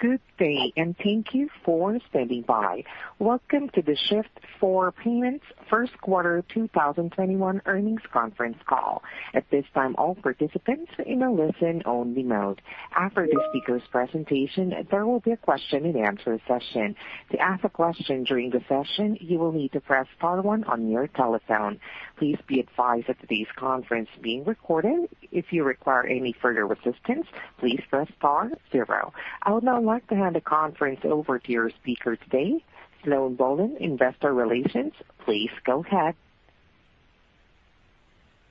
Good day, and thank you for standing by. Welcome to the Shift4 Payments First Quarter 2021 Earnings Conference Call. At this time, all participants are in a listen-only mode. After the speaker's presentation, there will be a question-and-answer session. To ask a question during the session, you will need to press star one on your telephone. Please be advised that today's conference is being recorded. If you require any further assistance, please press star zero. I would now like to hand the conference over to your speaker today, Sloan Bohlen, Investor Relations. Please go ahead.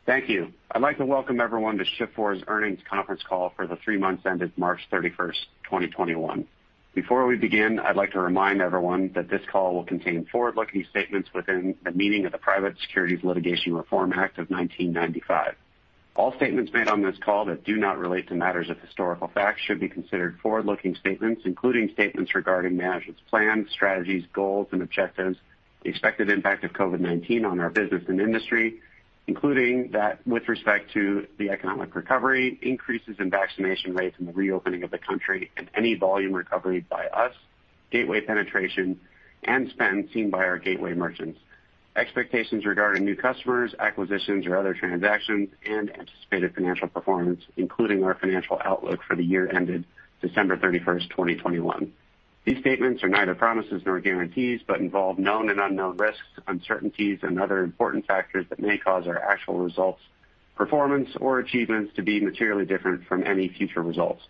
Thank you. I'd like to welcome everyone to Shift4's earnings conference call for the three months ended March 31st, 2021. Before we begin, I'd like to remind everyone that this call will contain forward-looking statements within the meaning of the Private Securities Litigation Reform Act of 1995. All statements made on this call that do not relate to matters of historical fact should be considered forward-looking statements, including statements regarding management's plans, strategies, goals, and objectives, the expected impact of COVID-19 on our business and industry, including that with respect to the economic recovery, increases in vaccination rates, and the reopening of the country, and any volume recovery by us, gateway penetration, and spend seen by our gateway merchants. Expectations regarding new customers, acquisitions or other transactions, and anticipated financial performance, including our financial outlook for the year ended December 31st, 2021. These statements are neither promises nor guarantees but involve known and unknown risks, uncertainties, and other important factors that may cause our actual results, performance, or achievements to be materially different from any future results.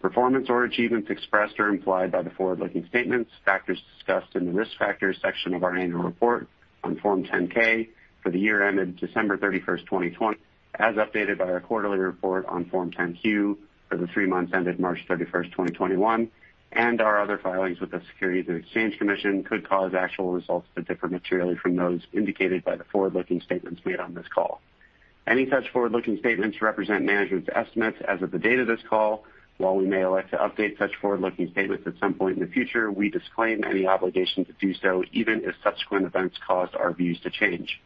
Performance or achievements expressed or implied by the forward-looking statements, factors discussed in the Risk Factors section of our annual report on Form 10-K for the year ended December 31st, 2020, as updated by our quarterly report on Form 10-Q for the three months ended March 31st, 2021, and our other filings with the Securities and Exchange Commission could cause actual results to differ materially from those indicated by the forward-looking statements made on this call. Any such forward-looking statements represent management's estimates as of the date of this call. While we may elect to update such forward-looking statements at some point in the future, we disclaim any obligation to do so, even if subsequent events cause our views to change.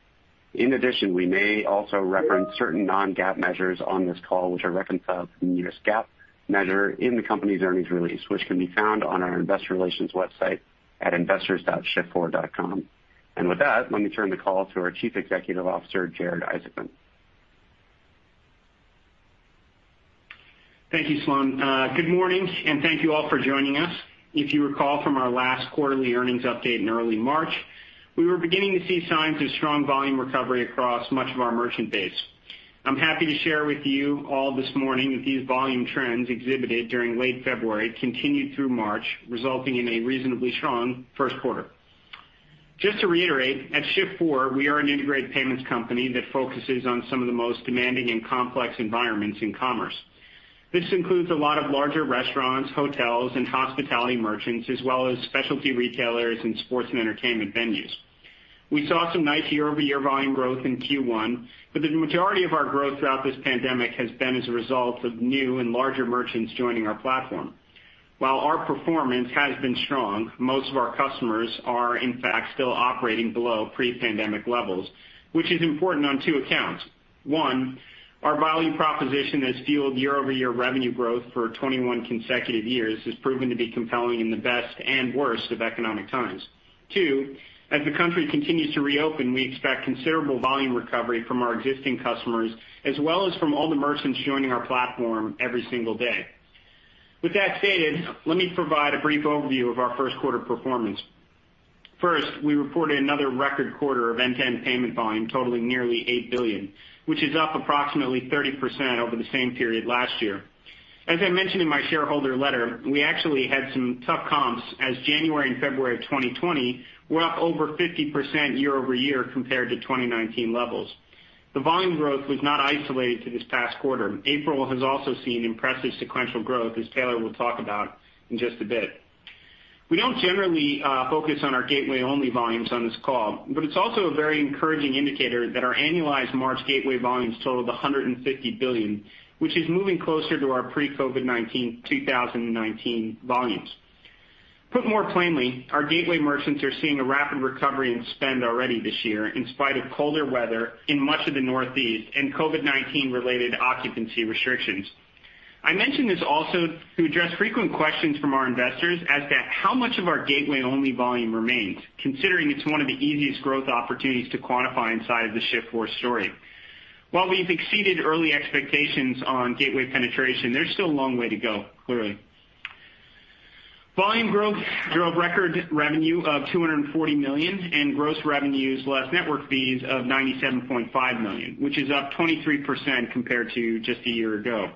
In addition, we may also reference certain Non-GAAP measures on this call, which are reconciled to the nearest GAAP measure in the company's earnings release, which can be found on our investor relations website at investors.shift4.com. With that, let me turn the call to our Chief Executive Officer, Jared Isaacman. Thank you, Sloan. Good morning. Thank you all for joining us. If you recall from our last quarterly earnings update in early March, we were beginning to see signs of strong volume recovery across much of our merchant base. I'm happy to share with you all this morning that these volume trends exhibited during late February continued through March, resulting in a reasonably strong first quarter. Just to reiterate, at Shift4, we are an integrated payments company that focuses on some of the most demanding and complex environments in commerce. This includes a lot of larger restaurants, hotels, and hospitality merchants, as well as specialty retailers and sports and entertainment venues. We saw some nice year-over-year volume growth in Q1, but the majority of our growth throughout this pandemic has been as a result of new and larger merchants joining our platform. While our performance has been strong, most of our customers are in fact still operating below pre-pandemic levels, which is important on two accounts. One, our value proposition has fueled year-over-year revenue growth for 21 consecutive years has proven to be compelling in the best and worst of economic times. Two, as the country continues to reopen, we expect considerable volume recovery from our existing customers as well as from all the merchants joining our platform every single day. With that stated, let me provide a brief overview of our first quarter performance. First, we reported another record quarter of end-to-end payment volume totaling nearly $8 billion, which is up approximately 30% over the same period last year. As I mentioned in my shareholder letter, we actually had some tough comps as January and February of 2020 were up over 50% year-over-year compared to 2019 levels. The volume growth was not isolated to this past quarter. April has also seen impressive sequential growth, as Taylor will talk about in just a bit. We don't generally focus on our gateway-only volumes on this call, but it's also a very encouraging indicator that our annualized March gateway volumes totaled $150 billion, which is moving closer to our pre-COVID-19 2019 volumes. Put more plainly, our gateway merchants are seeing a rapid recovery in spend already this year in spite of colder weather in much of the Northeast and COVID-19 related occupancy restrictions. I mention this also to address frequent questions from our investors as to how much of our gateway-only volume remains, considering it's one of the easiest growth opportunities to quantify inside of the Shift4 story. While we've exceeded early expectations on gateway penetration, there's still a long way to go, clearly. Volume growth drove record revenue of $240 million and gross revenues less network fees of $97.5 million, which is up 23% compared to just a year ago.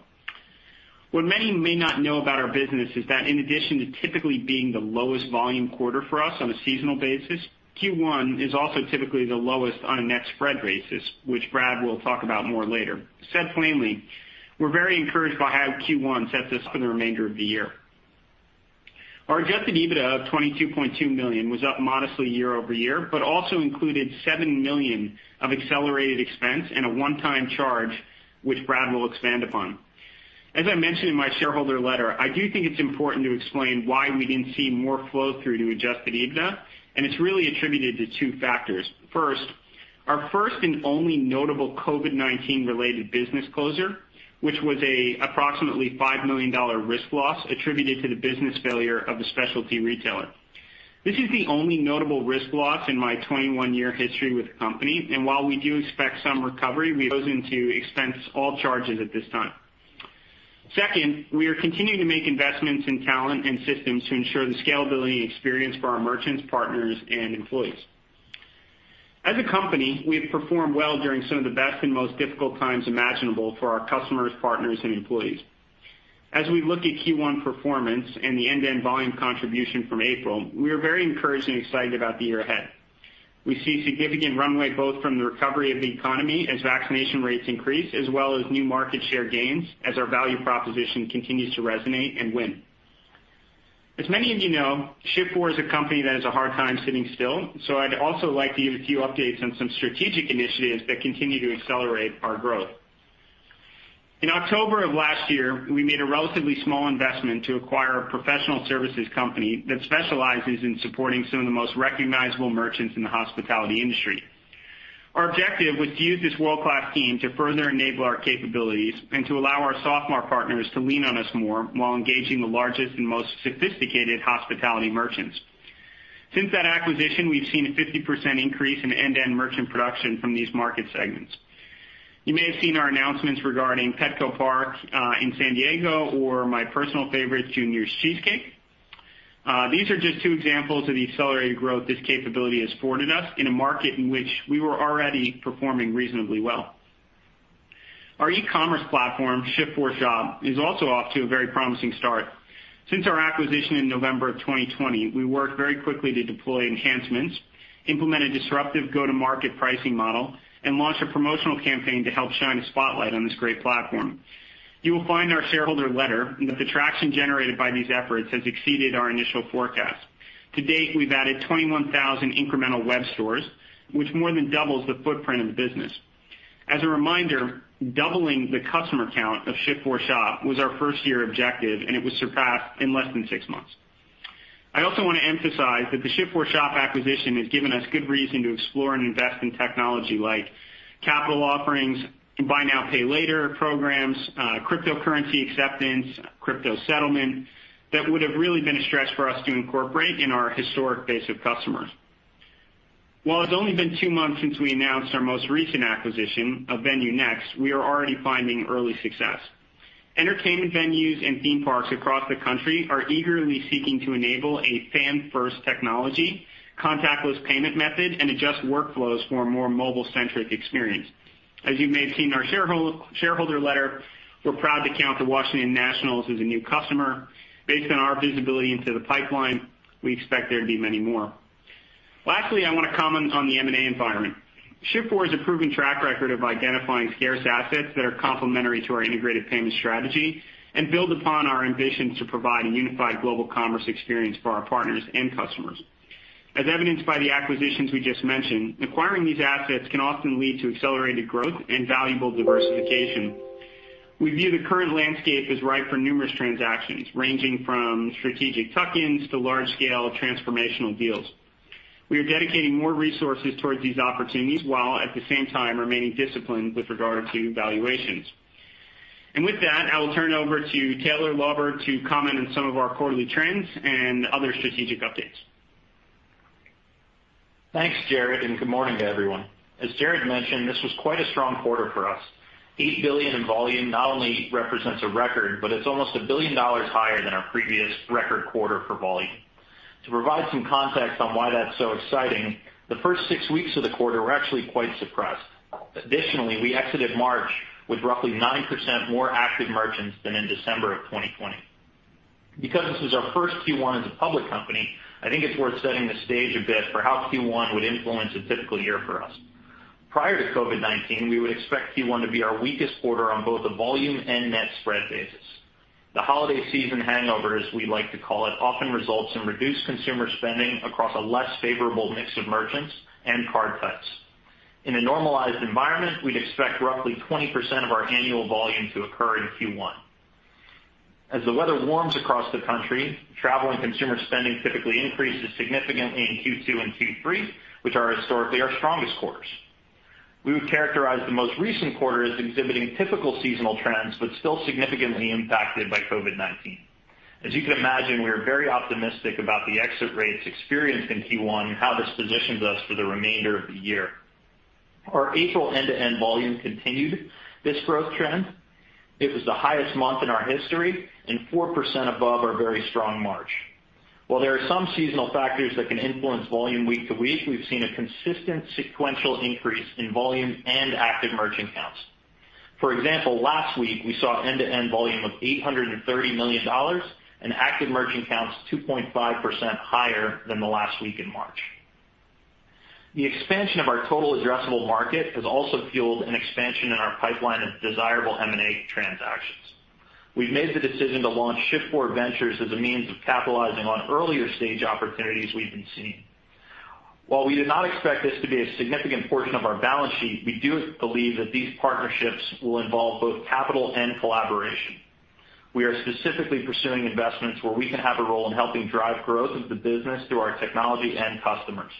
What many may not know about our business is that in addition to typically being the lowest volume quarter for us on a seasonal basis, Q1 is also typically the lowest on a net spread basis, which Brad will talk about more later. Said plainly, we are very encouraged by how Q1 sets us up for the remainder of the year. Our adjusted EBITDA of $22.2 million was up modestly year-over-year, but also included $7 million of accelerated expense and a one-time charge which Brad will expand upon. As I mentioned in my shareholder letter, I do think it is important to explain why we didn't see more flow through to adjusted EBITDA. It is really attributed to two factors. First, our first and only notable COVID-19 related business closure, which was approximately $5 million risk loss attributed to the business failure of a specialty retailer. This is the only notable risk loss in my 21-year history with the company. While we do expect some recovery, we chose to expense all charges at this time. Second, we are continuing to make investments in talent and systems to ensure the scalability and experience for our merchants, partners, and employees. As a company, we have performed well during some of the best and most difficult times imaginable for our customers, partners, and employees. As we look at Q1 performance and the end-to-end volume contribution from April, we are very encouraged and excited about the year ahead. We see significant runway, both from the recovery of the economy as vaccination rates increase, as well as new market share gains as our value proposition continues to resonate and win. As many of you know, Shift4 is a company that has a hard time sitting still. I'd also like to give a few updates on some strategic initiatives that continue to accelerate our growth. In October of last year, we made a relatively small investment to acquire a professional services company that specializes in supporting some of the most recognizable merchants in the hospitality industry. Our objective was to use this world-class team to further enable our capabilities and to allow our software partners to lean on us more while engaging the largest and most sophisticated hospitality merchants. Since that acquisition, we've seen a 50% increase in end-to-end merchant production from these market segments. You may have seen our announcements regarding Petco Park in San Diego or my personal favorite, Junior's Cheesecake. These are just two examples of the accelerated growth this capability has afforded us in a market in which we were already performing reasonably well. Our e-commerce platform, Shift4Shop, is also off to a very promising start. Since our acquisition in November of 2020, we worked very quickly to deploy enhancements, implement a disruptive go-to-market pricing model, and launch a promotional campaign to help shine a spotlight on this great platform. You will find in our shareholder letter that the traction generated by these efforts has exceeded our initial forecast. To date, we've added 21,000 incremental web stores, which more than doubles the footprint of the business. As a reminder, doubling the customer count of Shift4Shop was our first-year objective, and it was surpassed in less than six months. I also want to emphasize that the Shift4Shop acquisition has given us good reason to explore and invest in technology like capital offerings, buy now, pay later programs, cryptocurrency acceptance, crypto settlement, that would have really been a stretch for us to incorporate in our historic base of customers. While it's only been two months since we announced our most recent acquisition of VenueNext, we are already finding early success. Entertainment venues and theme parks across the country are eagerly seeking to enable a fan-first technology, contactless payment method, and adjust workflows for a more mobile-centric experience. As you may have seen in our shareholder letter, we're proud to count the Washington Nationals as a new customer. Based on our visibility into the pipeline, we expect there to be many more. Lastly, I want to comment on the M&A environment. Shift4 has a proven track record of identifying scarce assets that are complementary to our integrated payment strategy and build upon our ambition to provide a unified global commerce experience for our partners and customers. As evidenced by the acquisitions we just mentioned, acquiring these assets can often lead to accelerated growth and valuable diversification. We view the current landscape as ripe for numerous transactions, ranging from strategic tuck-ins to large-scale transformational deals. We are dedicating more resources towards these opportunities, while at the same time remaining disciplined with regard to valuations. With that, I will turn it over to Taylor Lauber to comment on some of our quarterly trends and other strategic updates. Thanks, Jared, and good morning to everyone. As Jared mentioned, this was quite a strong quarter for us. $8 billion in volume not only represents a record, but it's almost $1 billion higher than our previous record quarter for volume. To provide some context on why that's so exciting, the first six weeks of the quarter were actually quite suppressed. Additionally, we exited March with roughly 9% more active merchants than in December of 2020. Because this is our first Q1 as a public company, I think it's worth setting the stage a bit for how Q1 would influence a typical year for us. Prior to COVID-19, we would expect Q1 to be our weakest quarter on both a volume and net spread basis. The holiday season hangover, as we like to call it, often results in reduced consumer spending across a less favorable mix of merchants and card types. In a normalized environment, we'd expect roughly 20% of our annual volume to occur in Q1. As the weather warms across the country, travel and consumer spending typically increases significantly in Q2 and Q3, which are historically our strongest quarters. We would characterize the most recent quarter as exhibiting typical seasonal trends, but still significantly impacted by COVID-19. As you can imagine, we are very optimistic about the exit rates experienced in Q1 and how this positions us for the remainder of the year. Our April end-to-end volume continued this growth trend. It was the highest month in our history and 4% above our very strong March. While there are some seasonal factors that can influence volume week to week, we've seen a consistent sequential increase in volume and active merchant counts. For example, last week, we saw end-to-end volume of $830 million and active merchant counts 2.5% higher than the last week in March. The expansion of our total addressable market has also fueled an expansion in our pipeline of desirable M&A transactions. We've made the decision to launch Shift4 Ventures as a means of capitalizing on earlier-stage opportunities we've been seeing. While we do not expect this to be a significant portion of our balance sheet, we do believe that these partnerships will involve both capital and collaboration. We are specifically pursuing investments where we can have a role in helping drive growth of the business through our technology and customers.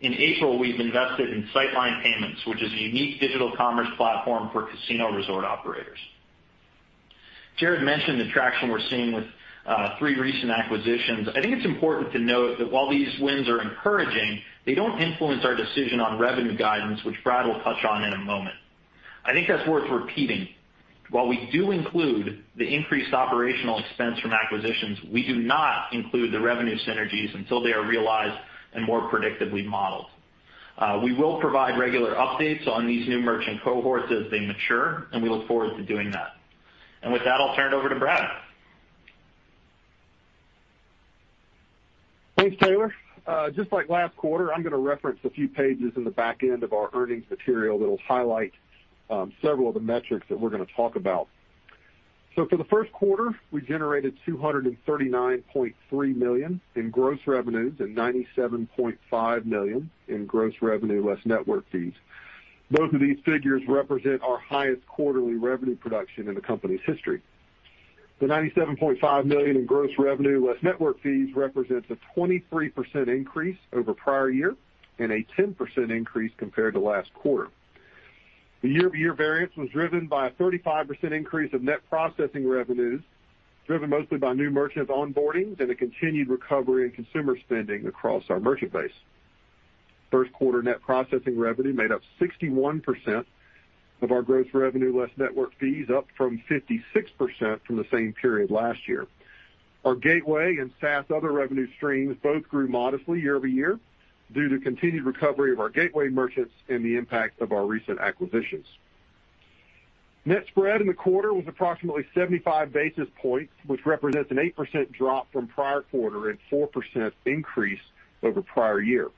In April, we've invested in Sightline Payments, which is a unique digital commerce platform for casino resort operators. Jared mentioned the traction we're seeing with three recent acquisitions. I think it's important to note that while these wins are encouraging, they don't influence our decision on revenue guidance, which Brad will touch on in a moment. I think that's worth repeating. While we do include the increased operational expense from acquisitions, we do not include the revenue synergies until they are realized and more predictably modeled. We will provide regular updates on these new merchant cohorts as they mature, and we look forward to doing that. With that, I'll turn it over to Brad. Thanks, Taylor. Just like last quarter, I'm going to reference a few pages in the back end of our earnings material that'll highlight several of the metrics that we're going to talk about. For the first quarter, we generated $239.3 million in gross revenues and $97.5 million in gross revenue less network fees. Both of these figures represent our highest quarterly revenue production in the company's history. The $97.5 million in gross revenue less network fees represents a 23% increase over prior year and a 10% increase compared to last quarter. The year-over-year variance was driven by a 35% increase of net processing revenues, driven mostly by new merchant onboardings and a continued recovery in consumer spending across our merchant base. First quarter net processing revenue made up 61% of our gross revenue less network fees, up from 56% from the same period last year. Our gateway and SaaS other revenue streams both grew modestly year-over-year due to continued recovery of our gateway merchants and the impact of our recent acquisitions. Net spread in the quarter was approximately 75 basis points, which represents an 8% drop from prior quarter and 4% increase over prior year.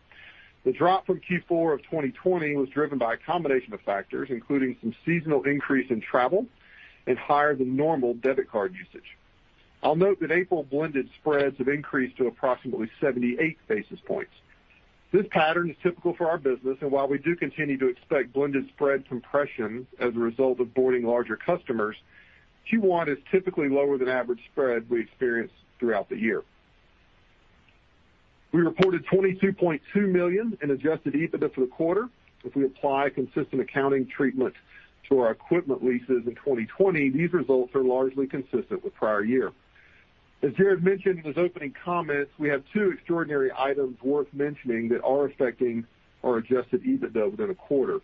The drop from Q4 of 2020 was driven by a combination of factors, including some seasonal increase in travel and higher-than-normal debit card usage. I'll note that April blended spreads have increased to approximately 78 basis points. This pattern is typical for our business, and while we do continue to expect blended spread compression as a result of boarding larger customers, Q1 is typically lower than average spread we experience throughout the year. We reported $22.2 million in adjusted EBITDA for the quarter. If we apply consistent accounting treatment to our equipment leases in 2020, these results are largely consistent with prior year. As Jared mentioned in his opening comments, we have two extraordinary items worth mentioning that are affecting our adjusted EBITDA within a quarter.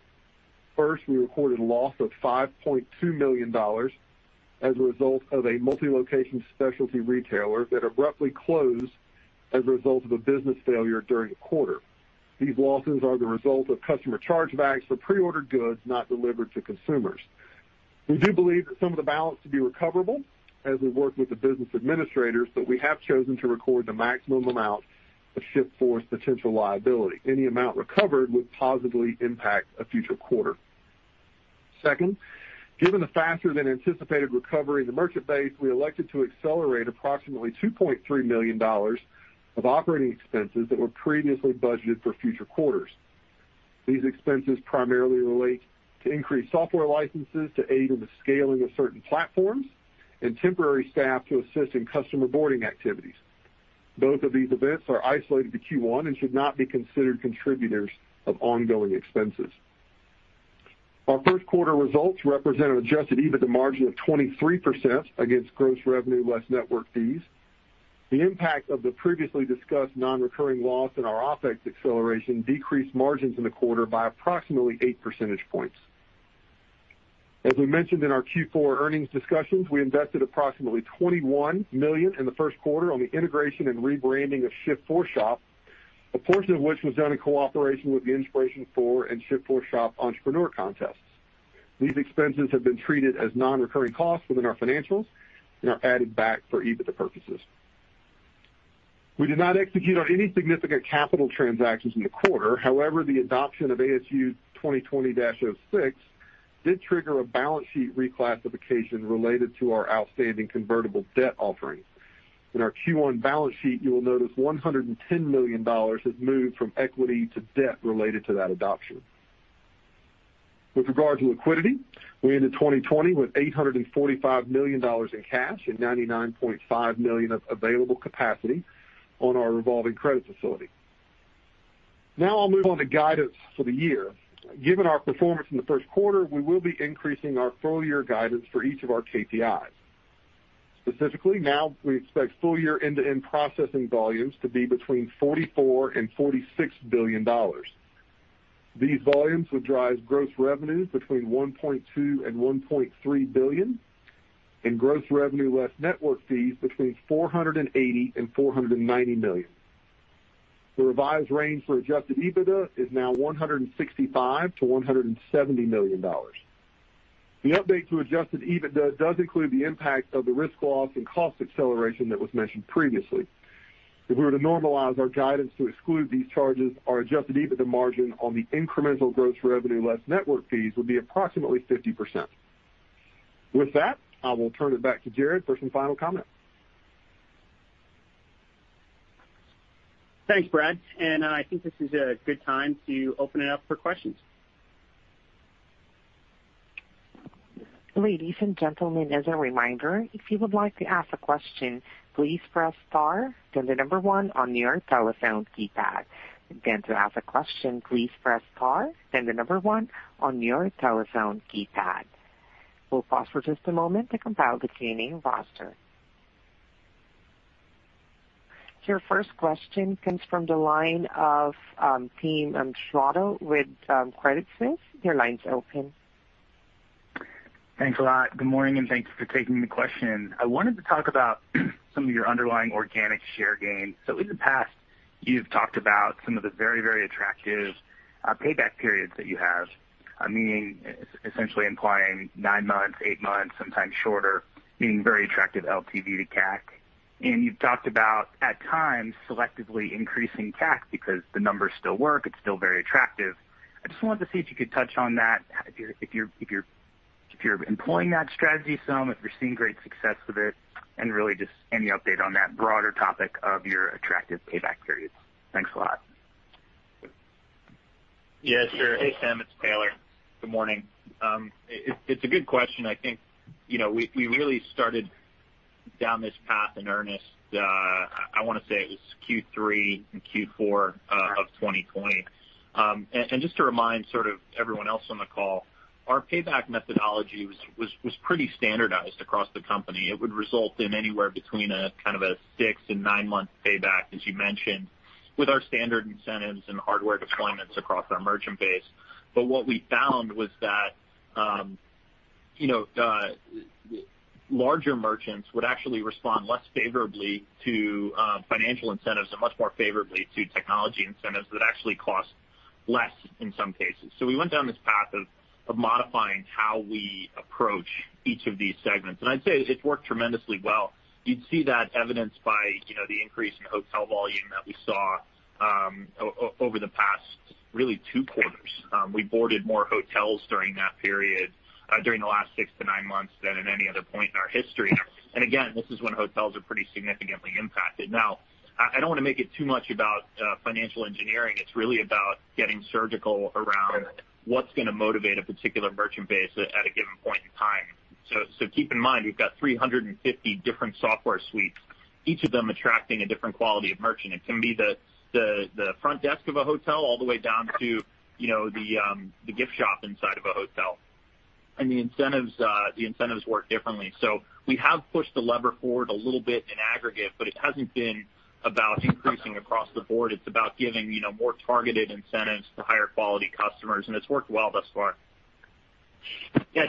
First, we recorded a loss of $5.2 million as a result of a multi-location specialty retailer that abruptly closed as a result of a business failure during the quarter. These losses are the result of customer chargebacks for pre-ordered goods not delivered to consumers. We do believe that some of the balance to be recoverable as we work with the business administrators, but we have chosen to record the maximum amount of Shift4's potential liability. Any amount recovered would positively impact a future quarter. Second, given the faster-than-anticipated recovery in the merchant base, we elected to accelerate approximately $2.3 million of operating expenses that were previously budgeted for future quarters. These expenses primarily relate to increased software licenses to aid in the scaling of certain platforms and temporary staff to assist in customer boarding activities. Both of these events are isolated to Q1 and should not be considered contributors of ongoing expenses. Our first quarter results represent an adjusted EBITDA margin of 23% against gross revenue less network fees. The impact of the previously discussed non-recurring loss in our OpEx acceleration decreased margins in the quarter by approximately eight percentage points. As we mentioned in our Q4 earnings discussions, we invested approximately $21 million in the first quarter on the integration and rebranding of Shift4Shop, a portion of which was done in cooperation with the Inspiration4 and Shift4Shop entrepreneur contests. These expenses have been treated as non-recurring costs within our financials and are added back for EBITDA purposes. We did not execute on any significant capital transactions in the quarter. The adoption of ASU 2020-06 did trigger a balance sheet reclassification related to our outstanding convertible debt offerings. In our Q1 balance sheet, you will notice $110 million has moved from equity to debt related to that adoption. With regard to liquidity, we ended 2020 with $845 million in cash and $99.5 million of available capacity on our revolving credit facility. I'll move on to guidance for the year. Given our performance in the first quarter, we will be increasing our full-year guidance for each of our KPIs. Specifically, now we expect full-year end-to-end processing volumes to be between $44 billion-$46 billion. These volumes would drive gross revenues between $1.2 billion-$1.3 billion and gross revenues less network fees between $480 million-$490 million. The revised range for adjusted EBITDA is now $165 million-$170 million. The update to adjusted EBITDA does include the impact of the risk loss and cost acceleration that was mentioned previously. If we were to normalize our guidance to exclude these charges, our adjusted EBITDA margin on the incremental gross revenues less network fees would be approximately 50%. With that, I will turn it back to Jared for some final comments. Thanks, Brad, I think this is a good time to open it up for questions. Ladies and gentlemen, as a reminder, if you would like to ask a question, please press star, then the number one on your telephone keypad. Again, to ask a question, please press star, then the number one on your telephone keypad. We'll pause for just a moment to compile the queue in roster. Your first question comes from the line of Timothy Chiodo with Credit Suisse. Your line's open. Thanks a lot. Good morning, and thanks for taking the question. I wanted to talk about some of your underlying organic share gain. In the past, you've talked about some of the very, very attractive payback periods that you have, meaning essentially implying nine months, eight months, sometimes shorter, meaning very attractive LTV to CAC. You've talked about, at times, selectively increasing CAC because the numbers still work, it's still very attractive. I just wanted to see if you could touch on that, if you're employing that strategy some, if you're seeing great success with it, and really just any update on that broader topic of your attractive payback periods. Thanks a lot. Yeah, sure. Hey, Tim, it's Taylor. Good morning. It's a good question. I think we really started down this path in earnest, I want to say it was Q3 and Q4 of 2020. Just to remind sort of everyone else on the call, our payback methodology was pretty standardized across the company. It would result in anywhere between a six- and nine-month payback, as you mentioned, with our standard incentives and hardware deployments across our merchant base. What we found was that larger merchants would actually respond less favorably to financial incentives and much more favorably to technology incentives that actually cost less in some cases. We went down this path of modifying how we approach each of these segments, and I'd say it's worked tremendously well. You'd see that evidenced by the increase in hotel volume that we saw over the past, really, two quarters. We boarded more hotels during that period, during the last six to nine months, than at any other point in our history. Again, this is when hotels are pretty significantly impacted. Now, I don't want to make it too much about financial engineering. It's really about getting surgical around what's going to motivate a particular merchant base at a given point in time. Keep in mind, we've got 350 different software suites, each of them attracting a different quality of merchant. It can be the front desk of a hotel all the way down to the gift shop inside of a hotel. The incentives work differently. We have pushed the lever forward a little bit in aggregate, but it hasn't been about increasing across the board. It's about giving more targeted incentives to higher quality customers, and it's worked well thus far.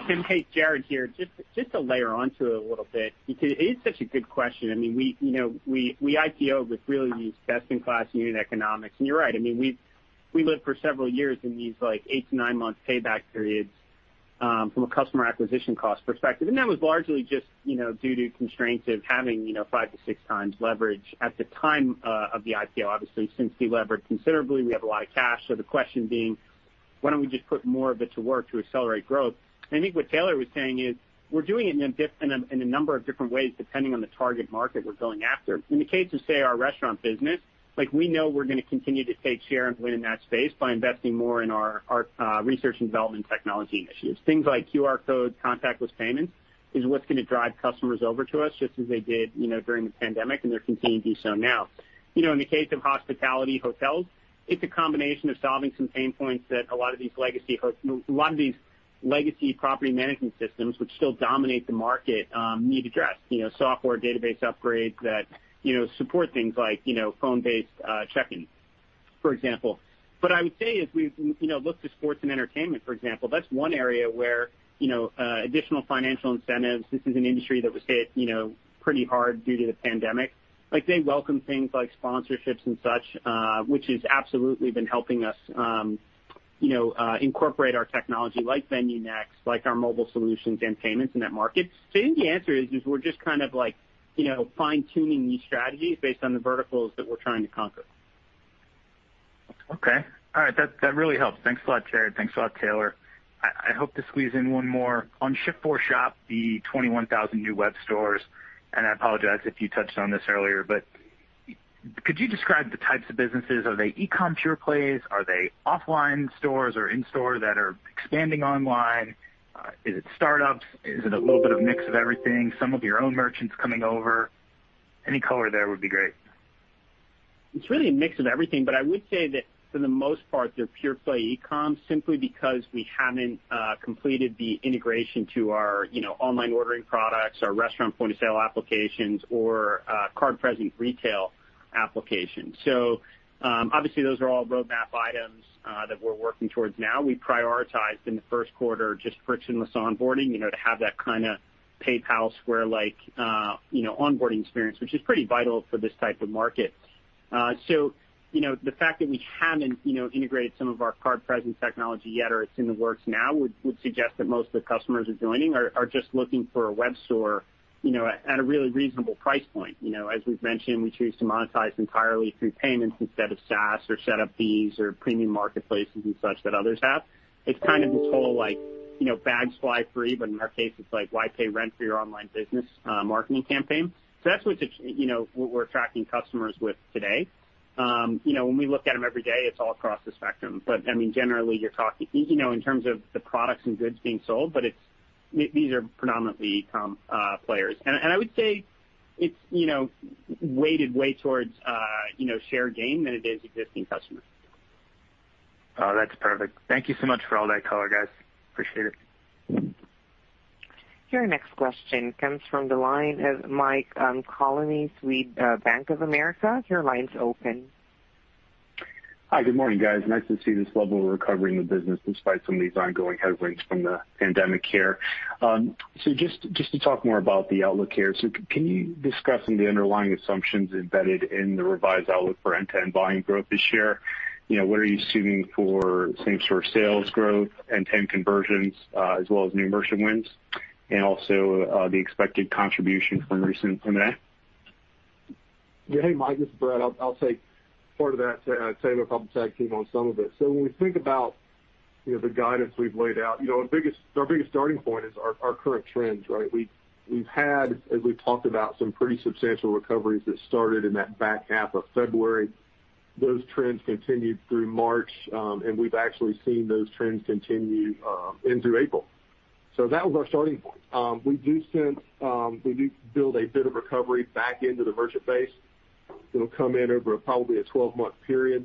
Tim, hey, Jared here. Just to layer onto it a little bit, because it is such a good question. We IPO'd with really these best-in-class unit economics. You're right, we lived for several years in these eight- to nine-month payback periods from a customer acquisition cost perspective. That was largely just due to constraints of having five to six times leverage at the time of the IPO. Obviously, since delevered considerably, we have a lot of cash. The question being, why don't we just put more of it to work to accelerate growth? I think what Taylor was saying is we're doing it in a number of different ways, depending on the target market we're going after. In the case of, say, our restaurant business, we know we're going to continue to take share and win in that space by investing more in our research and development technology initiatives. Things like QR code contactless payment is what's going to drive customers over to us, just as they did during the pandemic. They're continuing to do so now. In the case of hospitality hotels, it's a combination of solving some pain points that a lot of these legacy property management systems which still dominate the market need addressed. Software database upgrades that support things like phone-based check-in, for example. I would say as we look to sports and entertainment, for example, that's one area where additional financial incentives. This is an industry that was hit pretty hard due to the pandemic. They welcome things like sponsorships and such, which has absolutely been helping us incorporate our technology like VenueNext, like our mobile solutions and payments in that market. I think the answer is we're just fine-tuning these strategies based on the verticals that we're trying to conquer. Okay. All right. That really helps. Thanks a lot, Jared. Thanks a lot, Taylor. I hope to squeeze in one more. On Shift4Shop, the 21,000 new web stores, and I apologize if you touched on this earlier, but could you describe the types of businesses? Are they e-com pure plays? Are they offline stores or in-store that are expanding online? Is it startups? Is it a little bit of mix of everything? Some of your own merchants coming over? Any color there would be great. It's really a mix of everything, but I would say that for the most part, they're pure play e-com simply because we haven't completed the integration to our online ordering products, our restaurant point-of-sale applications, or card present retail applications. Obviously, those are all roadmap items that we're working towards now. We prioritized in the first quarter just frictionless onboarding to have that kind of PayPal Square-like onboarding experience, which is pretty vital for this type of market. The fact that we haven't integrated some of our card present technology yet, or it's in the works now, would suggest that most of the customers who are joining are just looking for a web store at a really reasonable price point. As we've mentioned, we choose to monetize entirely through payments instead of SaaS or setup fees or premium marketplaces and such that others have. It's kind of this whole bags fly free, but in our case, it's like why pay rent for your online business marketing campaign? That's what we're attracting customers with today. When we look at them every day, it's all across the spectrum. Generally, you're talking in terms of the products and goods being sold, but these are predominantly e-com players. I would say it's weighted way towards share gain than it is existing customers. Oh, that's perfect. Thank you so much for all that color, guys. Appreciate it. Your next question comes from the line of Mike Colonnese with Bank of America. Your line's open. Hi. Good morning, guys. Nice to see this level of recovery in the business despite some of these ongoing headwinds from the pandemic here. Just to talk more about the outlook here, can you discuss some of the underlying assumptions embedded in the revised outlook for end-to-end volume growth this year? What are you assuming for same-store sales growth, end-to-end conversions, as well as new merchant wins, and also the expected contribution from recent M&A? Yeah. Hey, Mike, this is Brad. I'll take part of that. Taylor probably tag team on some of it. When we think about the guidance we've laid out, our biggest starting point is our current trends, right? We've had, as we've talked about, some pretty substantial recoveries that started in that back half of February. Those trends continued through March, we've actually seen those trends continue in through April. That was our starting point. We do build a bit of recovery back into the merchant base that'll come in over probably a 12-month period,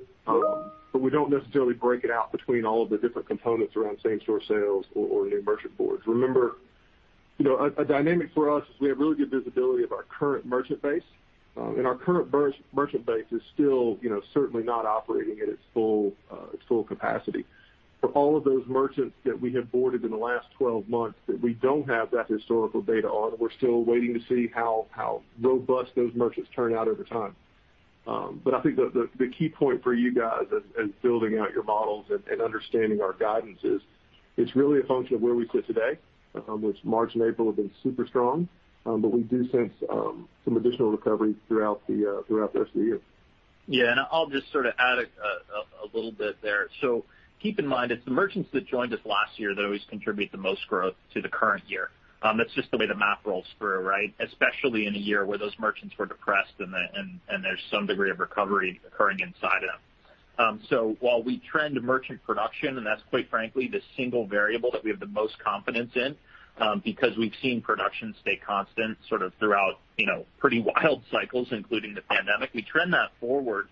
we don't necessarily break it out between all of the different components around same-store sales or new merchant boards. Remember, a dynamic for us is we have really good visibility of our current merchant base. Our current merchant base is still certainly not operating at its full capacity. For all of those merchants that we have boarded in the last 12 months that we don't have that historical data on, we're still waiting to see how robust those merchants turn out over time. I think the key point for you guys as building out your models and understanding our guidance is it's really a function of where we sit today, which March and April have been super strong, but we do sense some additional recovery throughout the rest of the year. I'll just sort of add a little bit there. Keep in mind, it's the merchants that joined us last year that always contribute the most growth to the current year. That's just the way the math rolls through, right? Especially in a year where those merchants were depressed and there's some degree of recovery occurring inside them. While we trend merchant production, and that's quite frankly the single variable that we have the most confidence in because we've seen production stay constant sort of throughout pretty wild cycles, including the pandemic. We trend that forward,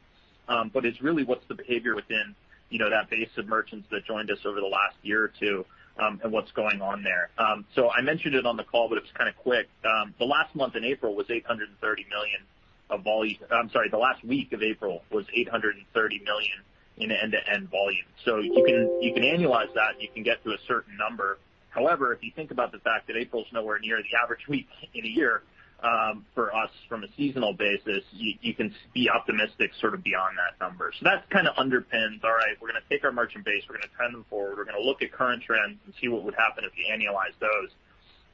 but it's really what's the behavior within that base of merchants that joined us over the last year or two, and what's going on there. I mentioned it on the call, but it was kind of quick. The last week of April was $830 million in end-to-end volume. You can annualize that, and you can get to a certain number. If you think about the fact that April's nowhere near the average week in a year for us from a seasonal basis, you can be optimistic sort of beyond that number. That kind of underpins, all right, we're going to take our merchant base, we're going to trend them forward. We're going to look at current trends and see what would happen if we annualize those.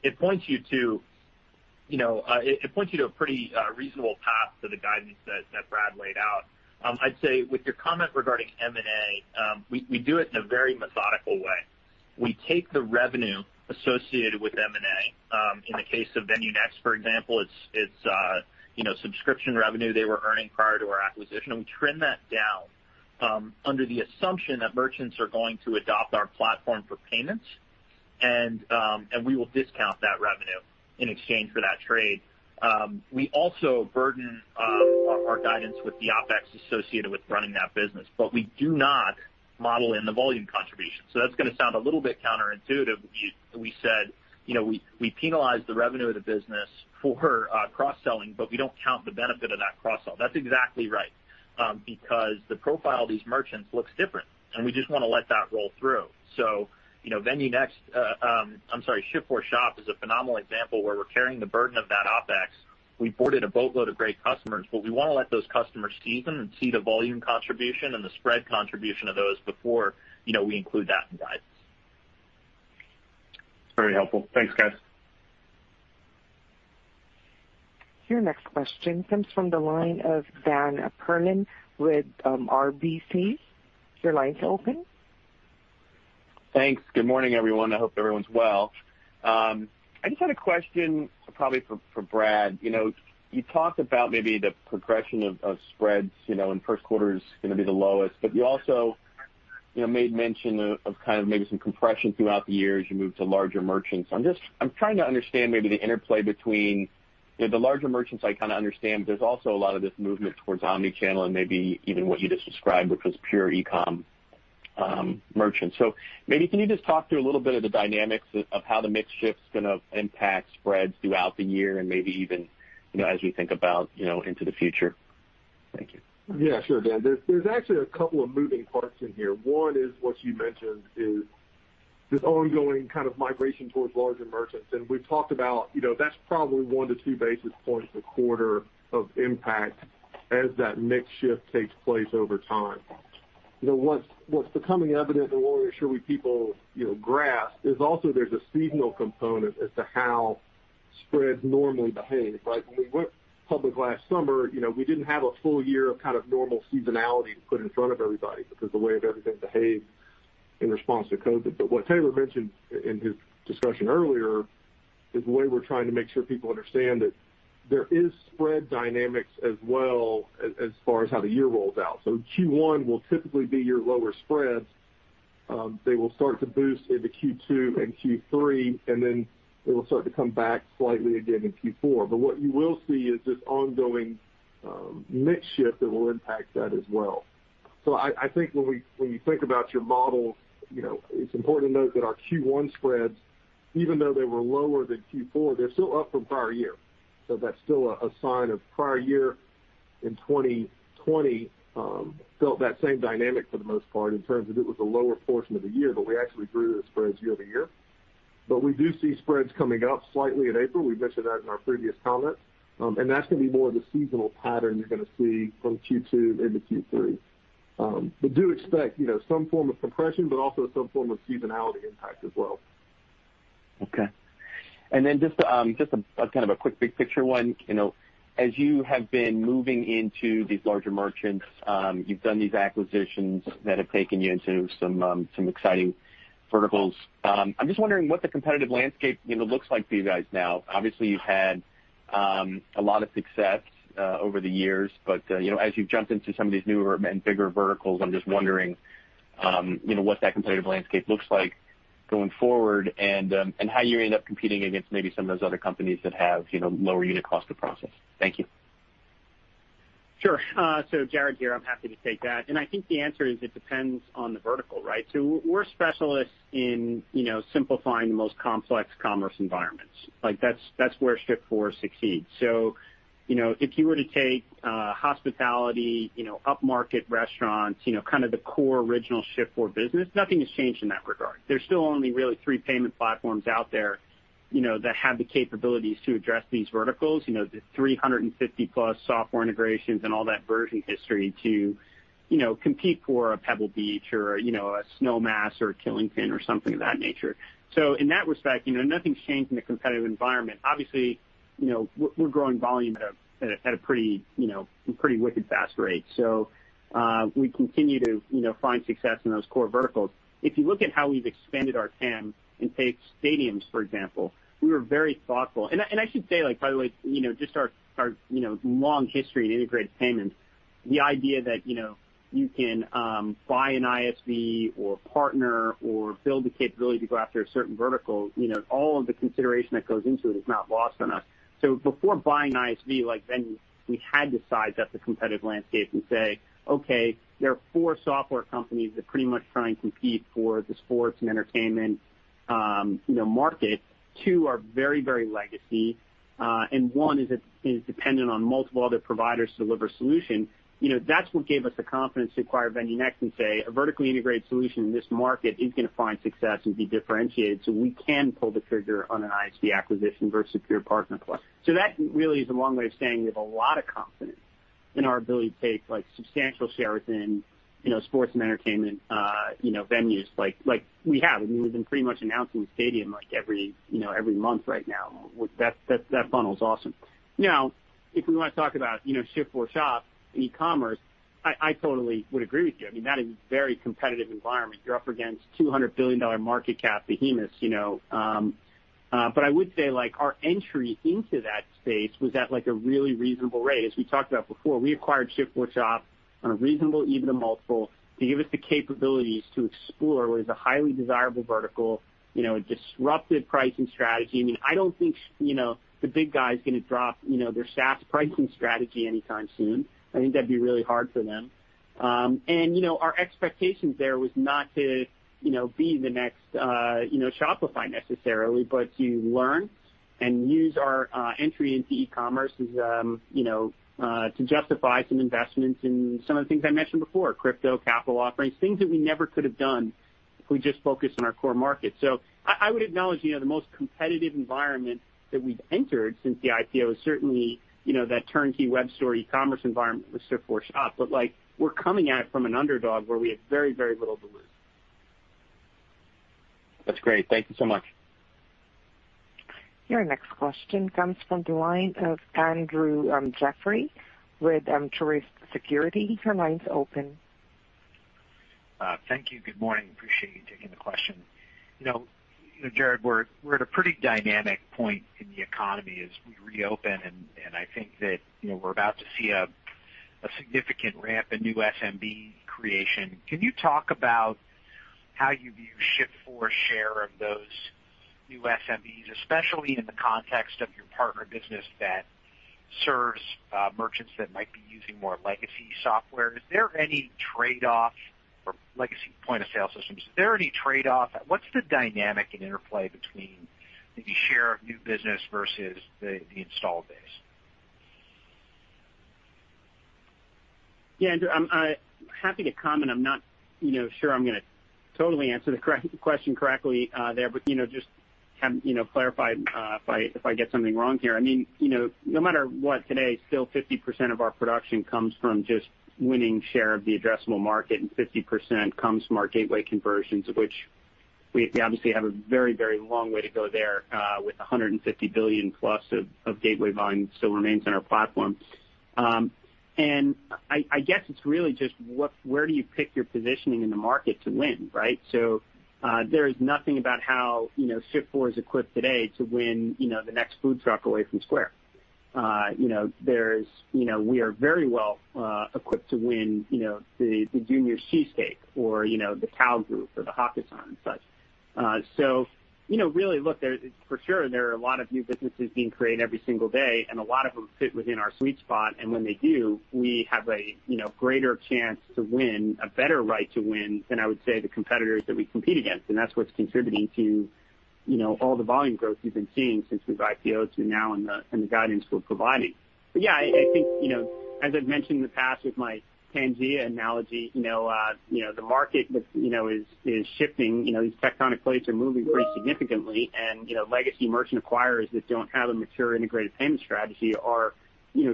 It points you to a pretty reasonable path to the guidance that Brad laid out. I'd say with your comment regarding M&A, we do it in a very methodical way. We take the revenue associated with M&A. In the case of VenueNext, for example, it's subscription revenue they were earning prior to our acquisition, and we trend that down under the assumption that merchants are going to adopt our platform for payments and we will discount that revenue in exchange for that trade. We also burden our guidance with the OpEx associated with running that business, but we do not model in the volume contribution. That's going to sound a little bit counterintuitive. We said we penalize the revenue of the business for cross-selling, but we don't count the benefit of that cross-sell. That's exactly right. Because the profile of these merchants looks different, and we just want to let that roll through. VenueNext, I'm sorry, Shift4Shop is a phenomenal example where we're carrying the burden of that OpEx. We boarded a boatload of great customers, but we want to let those customers season and see the volume contribution and the spread contribution of those before we include that in guidance. It's very helpful. Thanks, guys. Your next question comes from the line of Daniel Perlin with RBC. Your line's open. Thanks. Good morning, everyone. I hope everyone's well. I just had a question probably for Brad. You talked about maybe the progression of spreads, and first quarter is going to be the lowest, but you also made mention of kind of maybe some compression throughout the year as you move to larger merchants. I'm trying to understand maybe the interplay between the larger merchants I kind of understand, but there's also a lot of this movement towards omni-channel and maybe even what you just described, which was pure e-com merchants. Maybe can you just talk through a little bit of the dynamics of how the mix shift's going to impact spreads throughout the year and maybe even as we think about into the future? Thank you. Yeah, sure, Dan. There's actually a couple of moving parts in here. One is what you mentioned, is this ongoing kind of migration towards larger merchants. We've talked about that's probably one to two basis points a quarter of impact as that mix shift takes place over time. What's becoming evident and we want to make sure we people grasp is also there's a seasonal component as to how spreads normally behave. When we went public last summer, we didn't have a full year of kind of normal seasonality to put in front of everybody because the way everything behaved in response to COVID. What Taylor mentioned in his discussion earlier is the way we're trying to make sure people understand that there is spread dynamics as well, as far as how the year rolls out. Q1 will typically be your lower spreads. They will start to boost into Q2 and Q3, and then it will start to come back slightly again in Q4. What you will see is this ongoing mix shift that will impact that as well. I think when you think about your model, it's important to note that our Q1 spreads, even though they were lower than Q4, they're still up from prior year. That's still a sign of prior year in 2020, felt that same dynamic for the most part in terms of it was a lower portion of the year, but we actually grew the spreads year-over-year. We do see spreads coming up slightly in April. We've mentioned that in our previous comments, that's going to be more of the seasonal pattern you're going to see from Q2 into Q3. Do expect some form of compression, but also some form of seasonality impact as well. Okay. Then just a kind of a quick big picture one. As you have been moving into these larger merchants, you've done these acquisitions that have taken you into some exciting verticals. I'm just wondering what the competitive landscape looks like for you guys now. Obviously, you've had a lot of success over the years, but as you've jumped into some of these newer and bigger verticals, I'm just wondering what that competitive landscape looks like going forward and how you end up competing against maybe some of those other companies that have lower unit cost per process. Thank you. Sure. Jared here, I'm happy to take that. I think the answer is it depends on the vertical, right? We're specialists in simplifying the most complex commerce environments. That's where Shift4 succeeds. If you were to take hospitality, upmarket restaurants, kind of the core original Shift4 business, nothing has changed in that regard. There's still only really three payment platforms out there that have the capabilities to address these verticals. The 350-plus software integrations and all that version history to compete for a Pebble Beach or a Snowmass or a Killington or something of that nature. In that respect, nothing's changed in the competitive environment. Obviously, we're growing volume at a pretty wicked fast rate. We continue to find success in those core verticals. If you look at how we've expanded our TAM in, say, stadiums, for example, we were very thoughtful. I should say, by the way, just our long history in integrated payments, the idea that you can buy an ISV or partner or build the capability to go after a certain vertical, all of the consideration that goes into it is not lost on us. Before buying ISV, like VenueNext, we had to size up the competitive landscape and say, "Okay, there are four software companies that pretty much try and compete for the sports and entertainment market. Two are very legacy, and one is dependent on multiple other providers to deliver solution. That's what gave us the confidence to acquire VenueNext and say, "A vertically integrated solution in this market is going to find success and be differentiated, we can pull the trigger on an ISV acquisition versus pure partner play." That really is a long way of saying we have a lot of confidence in our ability to take substantial shares in sports and entertainment venues like we have. We've been pretty much announcing a stadium every month right now. That funnel's awesome. Now, if we want to talk about Shift4Shop, e-commerce, I totally would agree with you. That is a very competitive environment. You're up against $200 billion market cap behemoths. I would say our entry into that space was at a really reasonable rate. As we talked about before, we acquired Shift4Shop on a reasonable EBITDA multiple to give us the capabilities to explore what is a highly desirable vertical, a disruptive pricing strategy. I don't think the big guys are going to drop their SaaS pricing strategy anytime soon. I think that'd be really hard for them. Our expectations there was not to be the next Shopify necessarily, but to learn and use our entry into e-commerce to justify some investments in some of the things I mentioned before, crypto, capital offerings, things that we never could have done if we just focused on our core market. I would acknowledge the most competitive environment that we've entered since the IPO is certainly that turnkey web store e-commerce environment with Shift4Shop. We're coming at it from an underdog where we have very little balloon. That's great. Thank you so much. Your next question comes from the line of Andrew Jeffrey with Truist Securities. Your line's open. Thank you. Good morning. Appreciate you taking the question. Jared, we're at a pretty dynamic point in the economy as we reopen, and I think that we're about to see a significant ramp in new SMB creation. Can you talk about how you view Shift4's share of those new SMBs, especially in the context of your partner business that serves merchants that might be using more legacy software? Is there any trade-off for legacy point-of-sale systems? Is there any trade-off? What's the dynamic and interplay between maybe share of new business versus the installed base? Yeah, Andrew, happy to comment. I am not sure I am going to totally answer the question correctly there, but just have clarified if I get something wrong here. No matter what today, still 50% of our production comes from just winning share of the addressable market, and 50% comes from our gateway conversions, of which we obviously have a very long way to go there with $150 billion+ of gateway volume still remains on our platform. I guess it's really just where do you pick your positioning in the market to win, right? There is nothing about how Shift4 is equipped today to win the next food truck away from Square. We are very well equipped to win the Junior's Cheesecake or the Tao Group or the Hakkasan and such. Really, look, for sure, there are a lot of new businesses being created every single day, and a lot of them fit within our sweet spot. When they do, we have a greater chance to win, a better right to win than I would say the competitors that we compete against, and that's what's contributing to all the volume growth you've been seeing since we've IPO'd to now and the guidance we're providing. Yeah, I think, as I've mentioned in the past with my Pangea analogy, the market is shifting. These tectonic plates are moving pretty significantly, and legacy merchant acquirers that don't have a mature integrated payment strategy are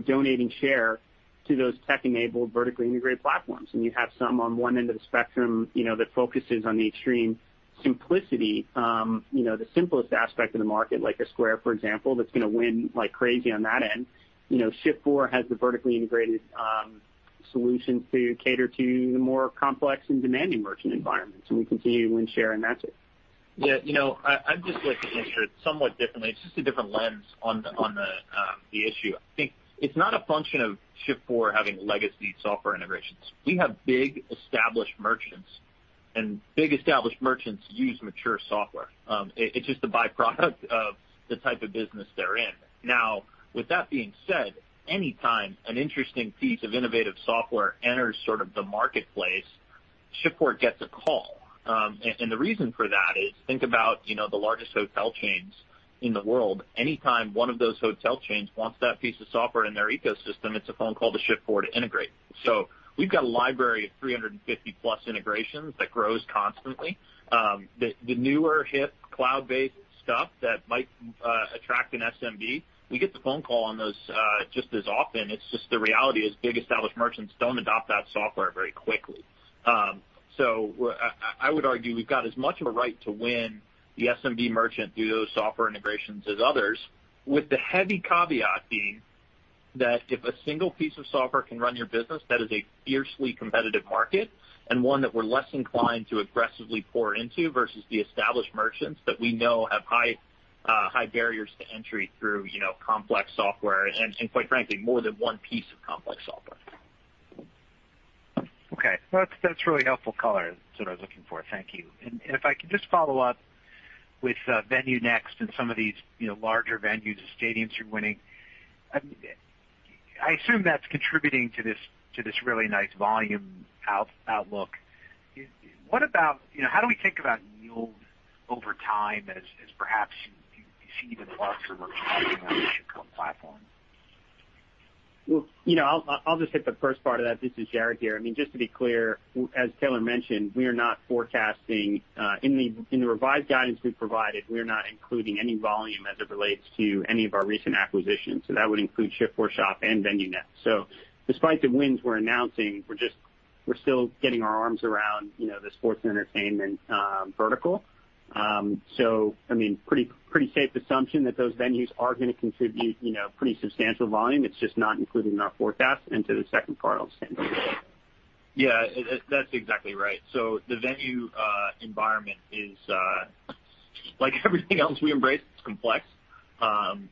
donating share to those tech-enabled, vertically integrated platforms. You have some on one end of the spectrum that focuses on the extreme simplicity, the simplest aspect of the market, like a Square, for example, that's going to win like crazy on that end. Shift4 has the vertically integrated solution to cater to the more complex and demanding merchant environments, and we continue to win share in that space. Yeah. I'd just like to answer it somewhat differently. It's just a different lens on the issue. I think it's not a function of Shift4 having legacy software integrations. We have big established merchants, big established merchants use mature software. It's just a byproduct of the type of business they're in. With that being said, any time an interesting piece of innovative software enters sort of the marketplace, Shift4 gets a call. The reason for that is think about the largest hotel chains in the world. Any time one of those hotel chains wants that piece of software in their ecosystem, it's a phone call to Shift4 to integrate. We've got a library of 350+ integrations that grows constantly. The newer hip cloud-based stuff that might attract an SMB, we get the phone call on those just as often. It's just the reality is big established merchants don't adopt that software very quickly. I would argue we've got as much of a right to win the SMB merchant through those software integrations as others, with the heavy caveat being that if a single piece of software can run your business, that is a fiercely competitive market and one that we're less inclined to aggressively pour into versus the established merchants that we know have high barriers to entry through complex software, and quite frankly, more than one piece of complex software. Okay. That's really helpful color, that's what I was looking for. Thank you. If I can just follow up with VenueNext and some of these larger venues and stadiums you're winning. I assume that's contributing to this really nice volume outlook. How do we think about yield over time as perhaps you see even larger merchants coming on the Shift4 platform? Well, I'll just hit the first part of that. This is Jared here. Just to be clear, as Taylor mentioned, we are not including any volume as it relates to any of our recent acquisitions. That would include Shift4Shop and VenueNext. Despite the wins we're announcing, we're still getting our arms around the sports and entertainment vertical. Pretty safe assumption that those venues are going to contribute pretty substantial volume. It's just not included in our forecast. To the second part, I'll send to you, Taylor. Yeah, that's exactly right. The venue environment is like everything else we embrace, it's complex.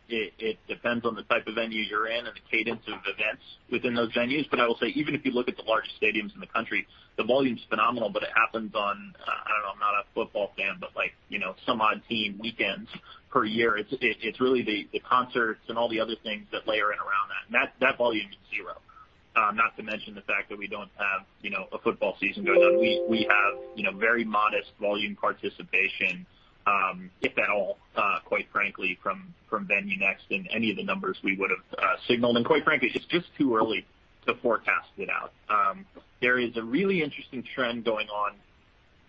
It depends on the type of venue you're in and the cadence of events within those venues. I will say, even if you look at the largest stadiums in the country, the volume's phenomenal, but it happens on, I don't know, I'm not a football fan, but some odd team weekends per year. It's really the concerts and all the other things that layer in around that. That volume is zero. Not to mention the fact that we don't have a football season going on. We have very modest volume participation, if at all, quite frankly, from VenueNext in any of the numbers we would've signaled. Quite frankly, it's just too early to forecast it out. There is a really interesting trend going on,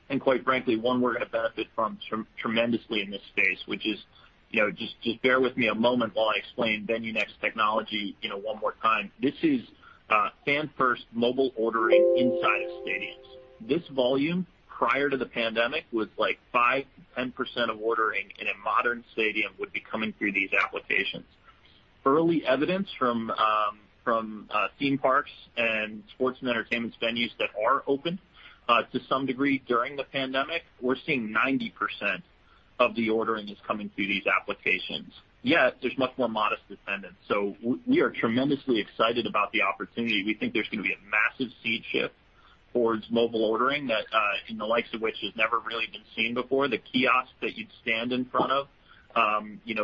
and quite frankly, one we're going to benefit from tremendously in this space. Just bear with me a moment while I explain VenueNext technology one more time. This is fan first mobile ordering inside of stadiums. This volume prior to the pandemic was like 5%-10% of ordering in a modern stadium would be coming through these applications. Early evidence from theme parks and sports and entertainment venues that are open to some degree during the pandemic, we're seeing 90% of the ordering is coming through these applications, yet there's much more modest attendance. We are tremendously excited about the opportunity. We think there's going to be a massive sea change towards mobile ordering that in the likes of which has never really been seen before. The kiosk that you'd stand in front of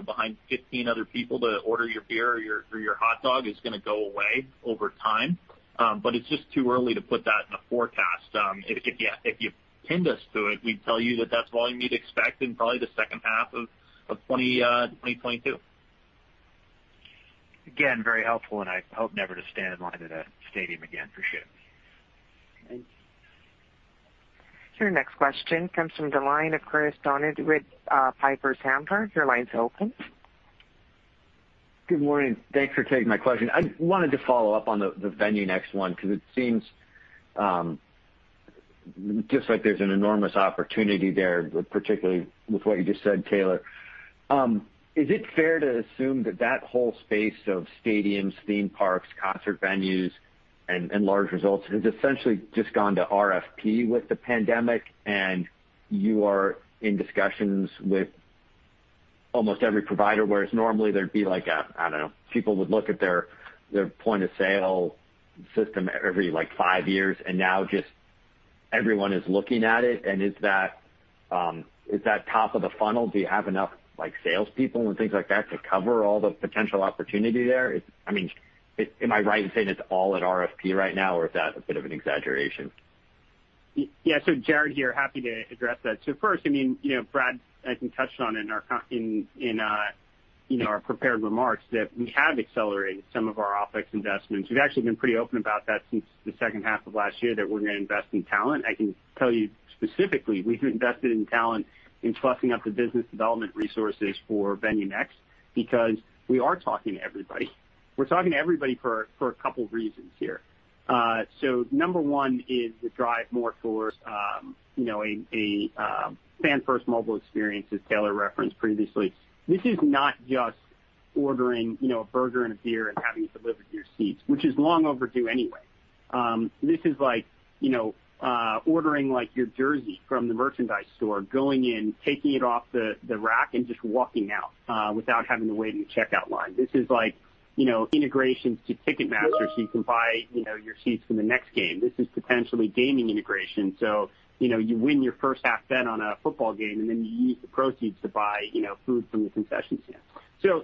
behind 15 other people to order your beer or your hot dog is going to go away over time. It's just too early to put that in a forecast. If you pinned us to it, we'd tell you that that's volume you'd expect in probably the second half of 2022. Very helpful, and I hope never to stand in line at a stadium again. For sure. Thanks. Your next question comes from the line of Chris Donat with Piper Sandler. Your line's open. Good morning. Thanks for taking my question. I wanted to follow up on the VenueNext one because it seems just like there's an enormous opportunity there, particularly with what you just said, Taylor. Is it fair to assume that that whole space of stadiums, theme parks, concert venues and large resorts has essentially just gone to RFP with the pandemic, you are in discussions with almost every provider, whereas normally there'd be like a, I don't know, people would look at their point-of-sale system every five years, and now just everyone is looking at it. Is that top of the funnel? Do you have enough salespeople and things like that to cover all the potential opportunity there? Am I right in saying it's all at RFP right now, or is that a bit of an exaggeration? Jared here. Happy to address that. First, Brad, I think, touched on in our prepared remarks that we have accelerated some of our OpEx investments. We've actually been pretty open about that since the second half of last year that we're going to invest in talent. I can tell you specifically, we've invested in talent in plussing up the business development resources for VenueNext because we are talking to everybody. We're talking to everybody for a couple of reasons here. Number one is the drive more for a fan-first mobile experience, as Taylor referenced previously. This is not just ordering a burger and a beer and having it delivered to your seats, which is long overdue anyway. This is ordering your jersey from the merchandise store, going in, taking it off the rack, and just walking out without having to wait in a checkout line. This is like integration to Ticketmaster so you can buy your seats for the next game. This is potentially gaming integration. You win your first half bet on a football game, and then you use the proceeds to buy food from the concession stand.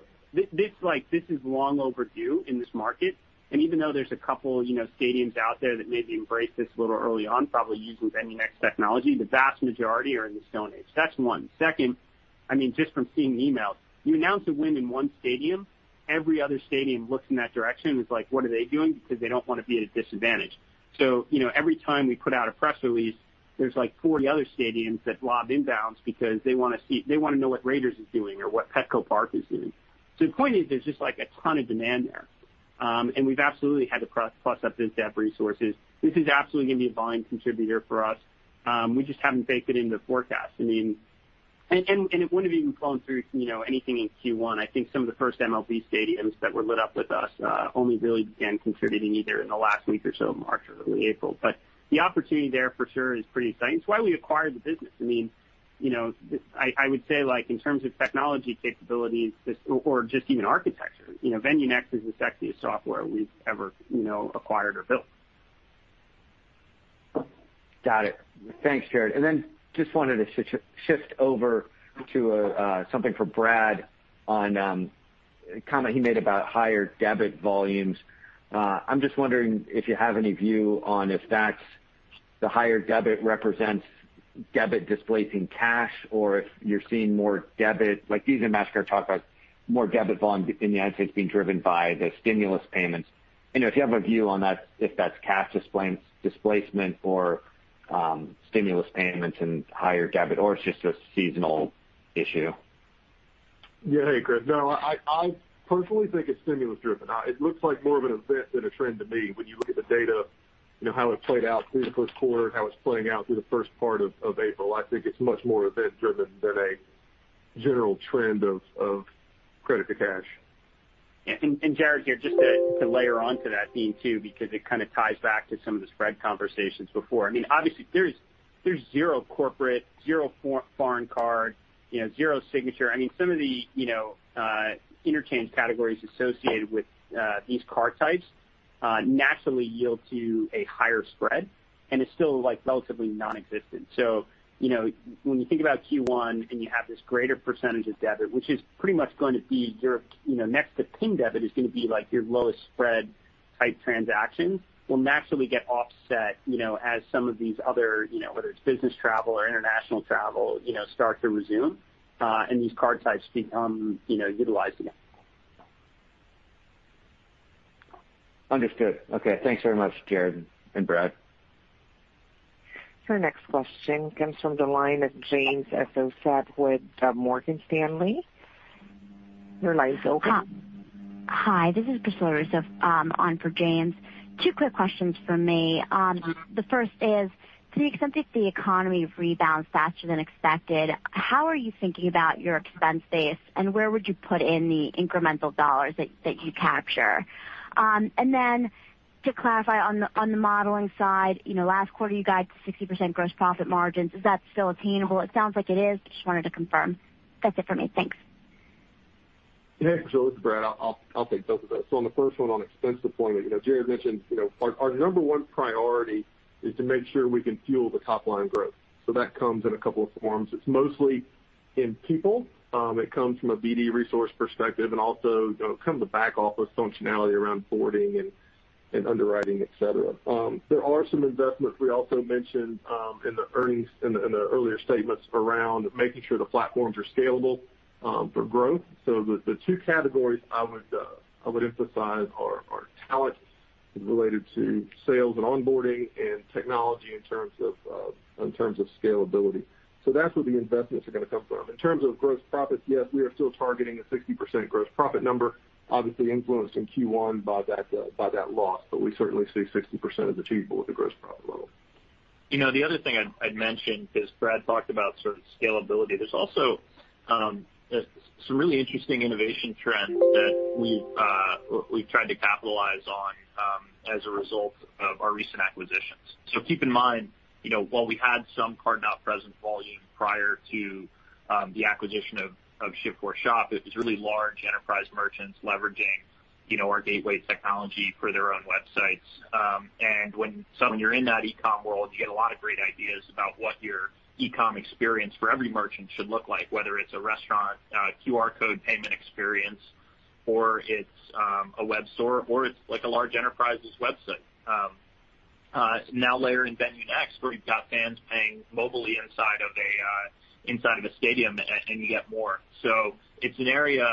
This is long overdue in this market. Even though there's a couple stadiums out there that maybe embraced this a little early on, probably using VenueNext technology, the vast majority are in the Stone Age. That's one. Second, just from seeing the emails, you announce a win in one stadium, every other stadium looks in that direction and is like, "What are they doing?" They don't want to be at a disadvantage. Every time we put out a press release, there's like 40 other stadiums that lob inbounds because they want to know what Raiders is doing or what Petco Park is doing. The point is, there's just a ton of demand there. We've absolutely had to plus up the staff resources. This is absolutely going to be a volume contributor for us. We just haven't baked it into forecasts. It wouldn't have even flown through anything in Q1. I think some of the first MLB stadiums that were lit up with us only really began contributing either in the last week or so of March or early April. The opportunity there for sure is pretty exciting. It's why we acquired the business. I would say in terms of technology capabilities or just even architecture, VenueNext is the sexiest software we've ever acquired or built. Got it. Thanks, Jared. Just wanted to shift over to something for Brad on a comment he made about higher debit volumes. I'm just wondering if you have any view on if that's the higher debit represents debit displacing cash, or if you're seeing more debit. Like Visa and Mastercard talk about more debit volume in the U.S. being driven by the stimulus payments. If you have a view on if that's cash displacement or stimulus payments and higher debit or it's just a seasonal issue. Yeah. Hey, Chris. I personally think it's stimulus driven. It looks like more of an event than a trend to me when you look at the data, how it played out through the first quarter and how it's playing out through the first part of April. I think it's much more event-driven than a general trend of credit to cash. Yeah. Jared here, just to layer onto that theme too, because it kind of ties back to some of the spread conversations before. Obviously, there's zero corporate, zero foreign card, zero signature. Some of the interchange categories associated with these card types naturally yield to a higher spread, and it's still relatively nonexistent. When you think about Q1 and you have this greater percentage of debit, which is pretty much going to be next to PIN debit is going to be your lowest spread type transaction, will naturally get offset as some of these other, whether it's business travel or international travel, start to resume. These card types become utilized again. Understood. Okay. Thanks very much, Jared and Brad. Our next question comes from the line of James Faucette with Morgan Stanley. Your line is open. Hi, this is Priscilla Russo on for James. Two quick questions from me. The first is, to the extent that the economy rebounds faster than expected, how are you thinking about your expense base, and where would you put in the incremental dollars that you capture? To clarify on the modeling side, last quarter you guys, 60% gross profit margins. Is that still attainable? It sounds like it is. Just wanted to confirm. That's it for me. Thanks. Priscilla, this is Brad. I'll take both of those. On the first one on expense deployment, Jared mentioned our number 1 priority is to make sure we can fuel the top-line growth. That comes in a couple of forms. It's mostly in people. It comes from a BD resource perspective and also kind of the back-office functionality around boarding and underwriting, et cetera. There are some investments we also mentioned in the earlier statements around making sure the platforms are scalable for growth. The two categories I would emphasize are talent related to sales and onboarding and technology in terms of scalability. That's where the investments are going to come from. In terms of gross profits, yes, we are still targeting a 60% gross profit number, obviously influenced in Q1 by that loss. We certainly see 60% as achievable at the gross profit level. The other thing I'd mention, because Brad talked about scalability, there's also some really interesting innovation trends that we've tried to capitalize on as a result of our recent acquisitions. Keep in mind, while we had some card-not-present volume prior to the acquisition of Shift4Shop, it was really large enterprise merchants leveraging our gateway technology for their own websites. When you're in that e-com world, you get a lot of great ideas about what your e-com experience for every merchant should look like, whether it's a restaurant QR code payment experience, or it's a web store, or it's a large enterprise's website. Now layer in VenueNext, where you've got fans paying mobily inside of a stadium, and you get more. It's an area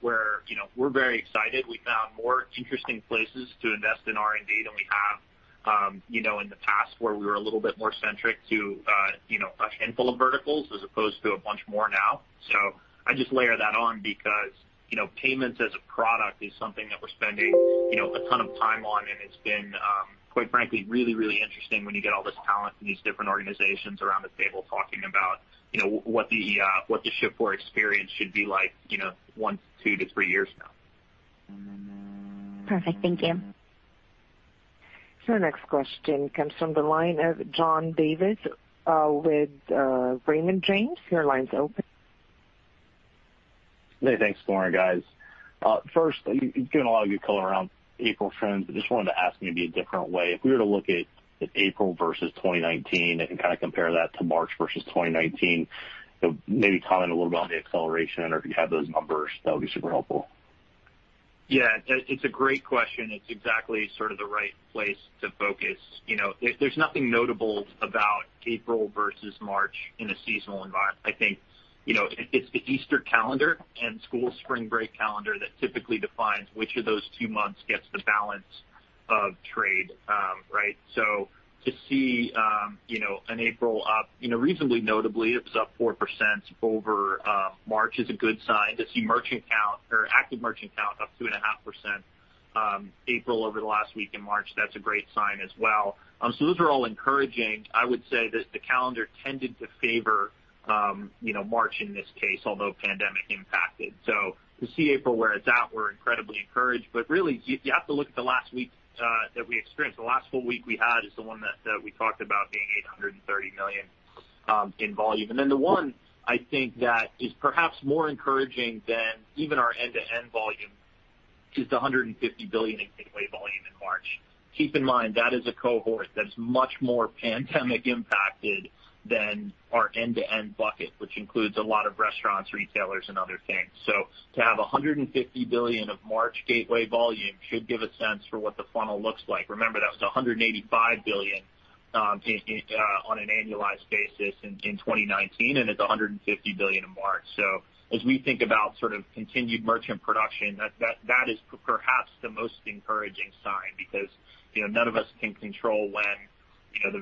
where we're very excited. We found more interesting places to invest in R&D than we have in the past, where we were a little bit more centric to a handful of verticals as opposed to a bunch more now. I just layer that on because payments as a product is something that we're spending a ton of time on, and it's been, quite frankly, really interesting when you get all this talent from these different organizations around the table talking about what the Shift4 experience should be like one, two to three years from now. Perfect. Thank you. Next question comes from the line of John Davis with Raymond James. Your line's open. Hey, thanks. Good morning, guys. Given a lot of good color around April trends, I just wanted to ask maybe a different way. If we were to look at April versus 2019 and compare that to March versus 2019, maybe comment a little bit on the acceleration or if you have those numbers, that would be super helpful. Yeah, it's a great question. It's exactly the right place to focus. There's nothing notable about April versus March in a seasonal environment. I think it's the Easter calendar and school spring break calendar that typically defines which of those two months gets the balance of trade. Right? To see an April up reasonably notably, it was up 4% over March, is a good sign. To see active merchant count up 2.5% April over the last week in March, that's a great sign as well. Those are all encouraging. I would say that the calendar tended to favor March in this case, although pandemic impacted. To see April where it's at, we're incredibly encouraged. Really, you have to look at the last week that we experienced. The last full week we had is the one that we talked about being $830 million in volume. The one I think that is perhaps more encouraging than even our end-to-end volume is the $150 billion in gateway volume in March. Keep in mind, that is a cohort that's much more pandemic impacted than our end-to-end bucket, which includes a lot of restaurants, retailers, and other things. To have $150 billion of March gateway volume should give a sense for what the funnel looks like. Remember, that was $185 billion on an annualized basis in 2019, and it's $150 billion in March. As we think about continued merchant production, that is perhaps the most encouraging sign because none of us can control when the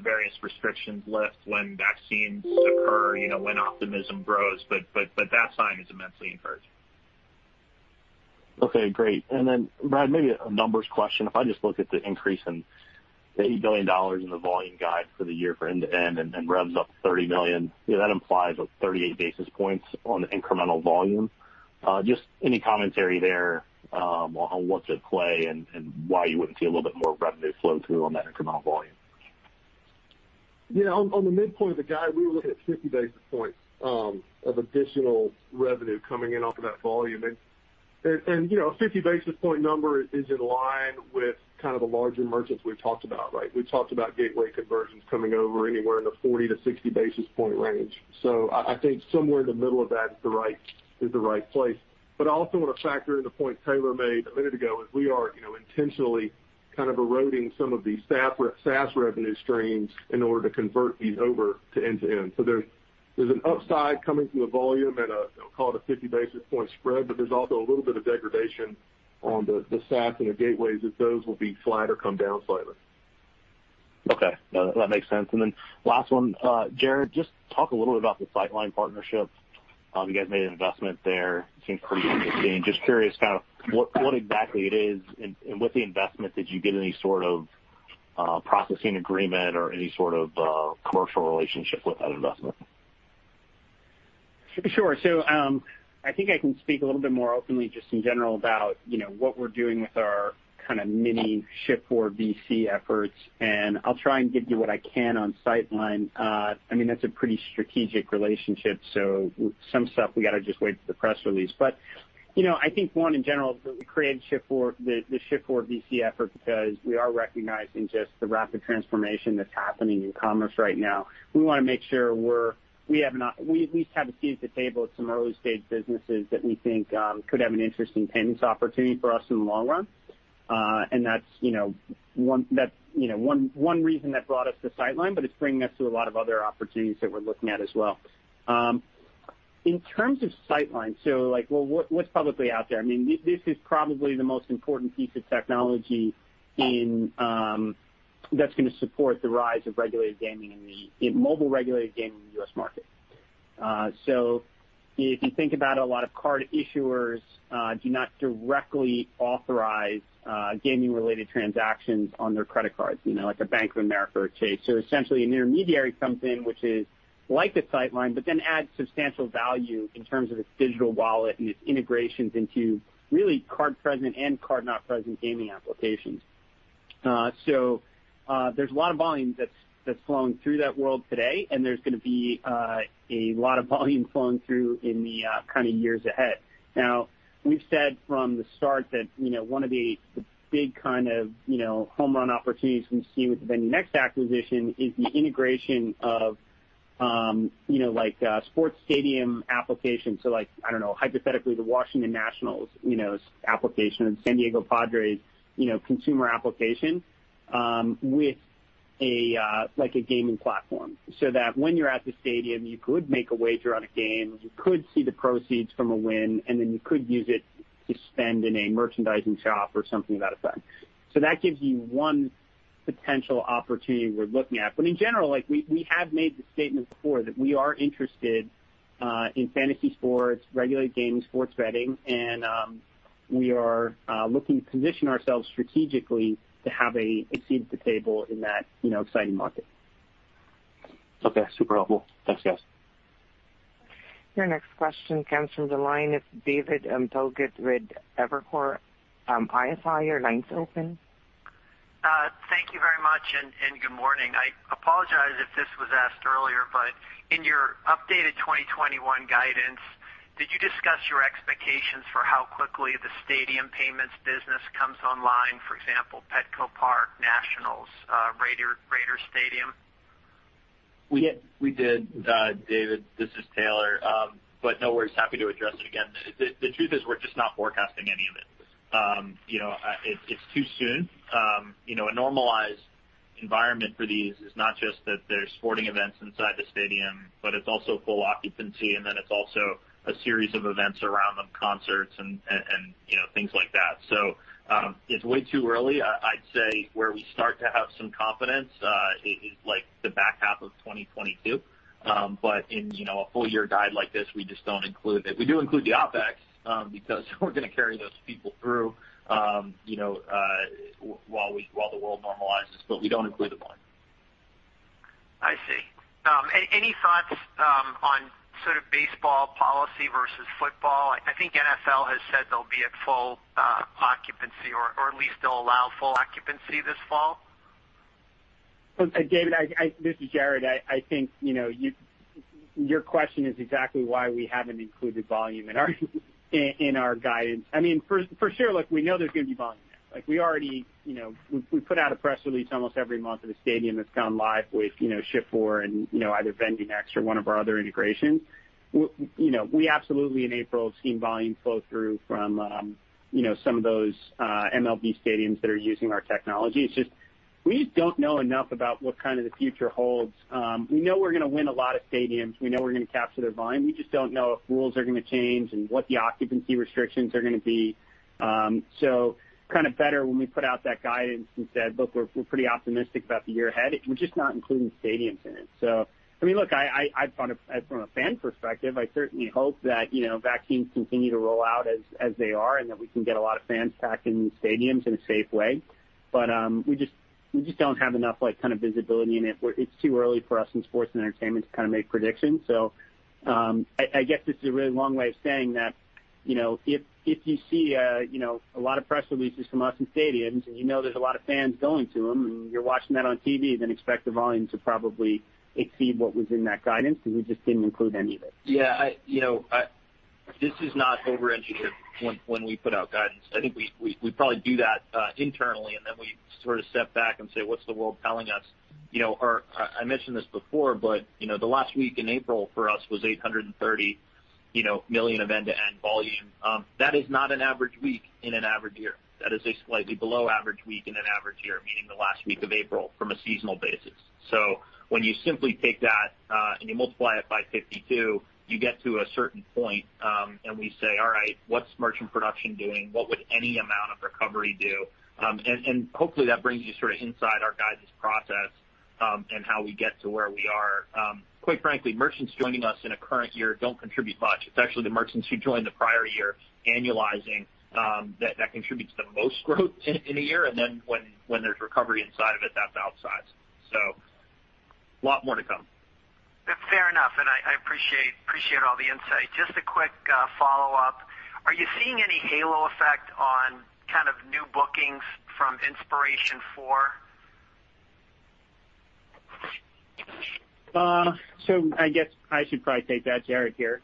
various restrictions lift, when vaccines occur, when optimism grows. That sign is immensely encouraging. Okay, great. Brad, maybe a numbers question. If I just look at the increase in the $80 billion in the volume guide for the year for end-to-end and revs up to $30 million, that implies a 38 basis points on incremental volume. Just any commentary there on what's at play and why you wouldn't see a little bit more revenue flow through on that incremental volume? On the midpoint of the guide, we were looking at 50 basis points of additional revenue coming in off of that volume. A 50-basis point number is in line with the larger merchants we've talked about. Right? We've talked about gateway conversions coming over anywhere in the 40 basis point-60 basis point range. I think somewhere in the middle of that is the right place. I also want to factor in the point Taylor made a minute ago, is we are intentionally eroding some of these SaaS revenue streams in order to convert these over to end-to-end. There's an upside coming through the volume and I'll call it a 50-basis point spread, but there's also a little bit of degradation on the SaaS and the gateways, as those will be flat or come down slightly. Okay. No, that makes sense. Last one, Jared, just talk a little bit about the Sightline partnership. You guys made an investment there. Seemed pretty interesting. Just curious what exactly it is and with the investment, did you get any sort of processing agreement or any sort of commercial relationship with that investment? Sure. I think I can speak a little bit more openly just in general about what we're doing with our mini Shift4 VC efforts, and I'll try and give you what I can on Sightline. That's a pretty strategic relationship, so some stuff we got to just wait for the press release. I think, one, in general, we created the Shift4 VC effort because we are recognizing just the rapid transformation that's happening in commerce right now. We want to make sure we at least have a seat at the table at some early-stage businesses that we think could have an interesting payments opportunity for us in the long run. That's one reason that brought us to Sightline, but it's bringing us to a lot of other opportunities that we're looking at as well. In terms of Sightline, what's publicly out there? This is probably the most important piece of technology that's going to support the rise of mobile regulated gaming in the U.S. market. If you think about a lot of card issuers do not directly authorize gaming-related transactions on their credit cards, like a Bank of America or Chase. Essentially an intermediary comes in, which is like a Sightline, but then adds substantial value in terms of its digital wallet and its integrations into really card-present and card-not-present gaming applications. There's a lot of volume that's flowing through that world today, and there's going to be a lot of volume flowing through in the years ahead. Now, we've said from the start that one of the big kind of home run opportunities we see with the VenueNext acquisition is the integration of sports stadium applications. Like, I don't know, hypothetically, the Washington Nationals application or the San Diego Padres consumer application with a gaming platform, so that when you're at the stadium, you could make a wager on a game, you could see the proceeds from a win, and then you could use it to spend in a merchandising shop or something of that effect. That gives you one potential opportunity we're looking at. In general, we have made the statement before that we are interested in fantasy sports, regulated gaming, sports betting, and we are looking to position ourselves strategically to have a seat at the table in that exciting market. Okay. Super helpful. Thanks, guys. Your next question comes from the line of David Togut with Evercore ISI. Your line's open. Thank you very much. Good morning. I apologize if this was asked earlier. In your updated 2021 guidance, did you discuss your expectations for how quickly the stadium payments business comes online? For example, Petco Park, Nationals, Raiders Stadium. We did, David. This is Taylor. No worries, happy to address it again. The truth is we're just not forecasting any of it. It's too soon. A normalized environment for these is not just that there's sporting events inside the stadium, but it's also full occupancy, and then it's also a series of events around them, concerts and things like that. It's way too early. I'd say where we start to have some confidence is the back half of 2022. In a full-year guide like this, we just don't include it. We do include the OpEx because we're going to carry those people through while the world normalizes, but we don't include the volume. I see. Any thoughts on sort of baseball policy versus football? I think NFL has said they'll be at full occupancy or at least they'll allow full occupancy this fall. David, this is Jared. I think your question is exactly why we haven't included volume in our guidance. We know there's going to be volume there. We put out a press release almost every month of a stadium that's gone live with Shift4 and either VenueNext or one of our other integrations. We absolutely in April have seen volume flow through from some of those MLB stadiums that are using our technology. It's just we don't know enough about what the future holds. We know we're going to win a lot of stadiums. We know we're going to capture their volume. We just don't know if rules are going to change and what the occupancy restrictions are going to be. Better when we put out that guidance and said, "Look, we're pretty optimistic about the year ahead," we're just not including stadiums in it. From a fan perspective, I certainly hope that vaccines continue to roll out as they are and that we can get a lot of fans back in the stadiums in a safe way. We just don't have enough visibility, and it's too early for us in sports and entertainment to make predictions. I guess this is a really long way of saying that if you see a lot of press releases from us in stadiums, and you know there's a lot of fans going to them, and you're watching that on TV, then expect the volume to probably exceed what was in that guidance because we just didn't include any of it. Yeah. This is not over-engineered when we put out guidance. I think we probably do that internally, and then we sort of step back and say, "What's the world telling us?" I mentioned this before, the last week in April for us was $830 million end-to-end payment volume. That is not an average week in an average year. That is a slightly below average week in an average year, meaning the last week of April from a seasonal basis. When you simply take that and you multiply it by 52x, you get to a certain point, and we say, "All right, what's merchant production doing? What would any amount of recovery do?" Hopefully, that brings you sort of inside our guidance process and how we get to where we are. Quite frankly, merchants joining us in a current year don't contribute much. It's actually the merchants who joined the prior year annualizing that contributes the most growth in a year, and then when there's recovery inside of it, that outsizes. A lot more to come. Fair enough, and I appreciate all the insight. Just a quick follow-up. Are you seeing any halo effect on new bookings from Inspiration4? I guess I should probably take that. Jared here.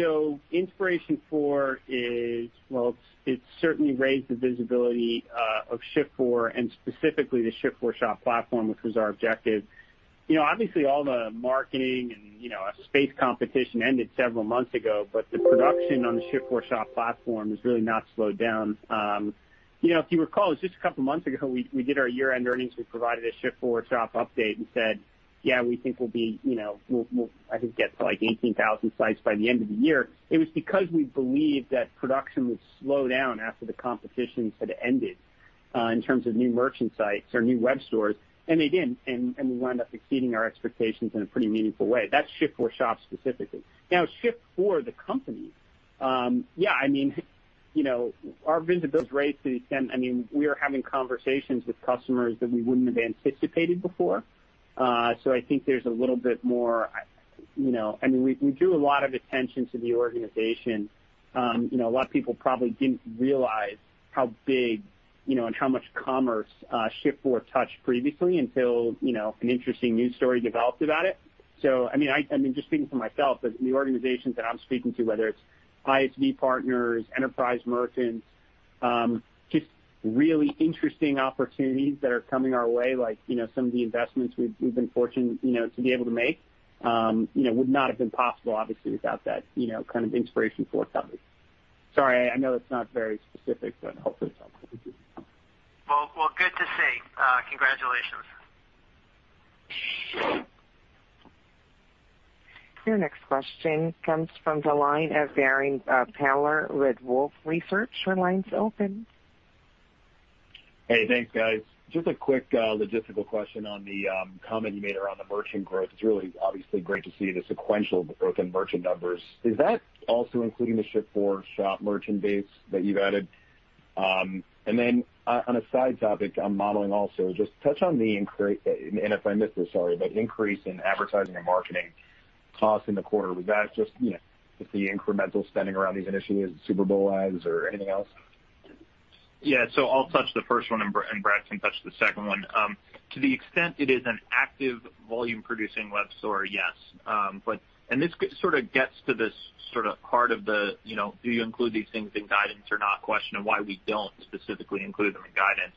Inspiration4, well, it's certainly raised the visibility of Shift4 and specifically the Shift4Shop platform, which was our objective. Obviously, all the marketing and space competition ended several months ago, but the production on the Shift4Shop platform has really not slowed down. If you recall, it was just a couple of months ago, we did our year-end earnings. We provided a Shift4Shop update and said, "Yeah, we think we'll, I think, get to like 18,000 sites by the end of the year." It was because we believed that production would slow down after the competitions had ended. In terms of new merchant sites or new web stores, and they didn't, and we wound up exceeding our expectations in a pretty meaningful way. That's Shift4Shop specifically. Now, Shift4, the company. Our visibility is great to the extent we are having conversations with customers that we wouldn't have anticipated before. I think there's a little bit more. We drew a lot of attention to the organization. A lot of people probably didn't realize how big and how much commerce Shift4 touched previously until an interesting news story developed about it. Just speaking for myself, but the organizations that I'm speaking to, whether it's ISV partners, enterprise merchants, just really interesting opportunities that are coming our way, like some of the investments we've been fortunate to be able to make would not have been possible, obviously, without that kind of Inspiration4 coverage. Sorry, I know that's not very specific, but hopefully it's helpful. Good to see. Congratulations. Your next question comes from the line of Darrin Peller, Wolfe Research. Your line's open. Hey, thanks, guys. Just a quick logistical question on the comment you made around the merchant growth. It's really obviously great to see the sequential growth in merchant numbers. Is that also including the Shift4Shop merchant base that you've added? Then on a side topic on modeling also, just touch on the increase, and if I missed this, sorry, but increase in advertising and marketing costs in the quarter. Was that just the incremental spending around these initiatives, Super Bowl ads or anything else? Yeah. I'll touch the first one, and Brad can touch the second one. To the extent it is an active volume producing web store, yes. This sort of gets to this part of the do you include these things in guidance or not question of why we don't specifically include them in guidance.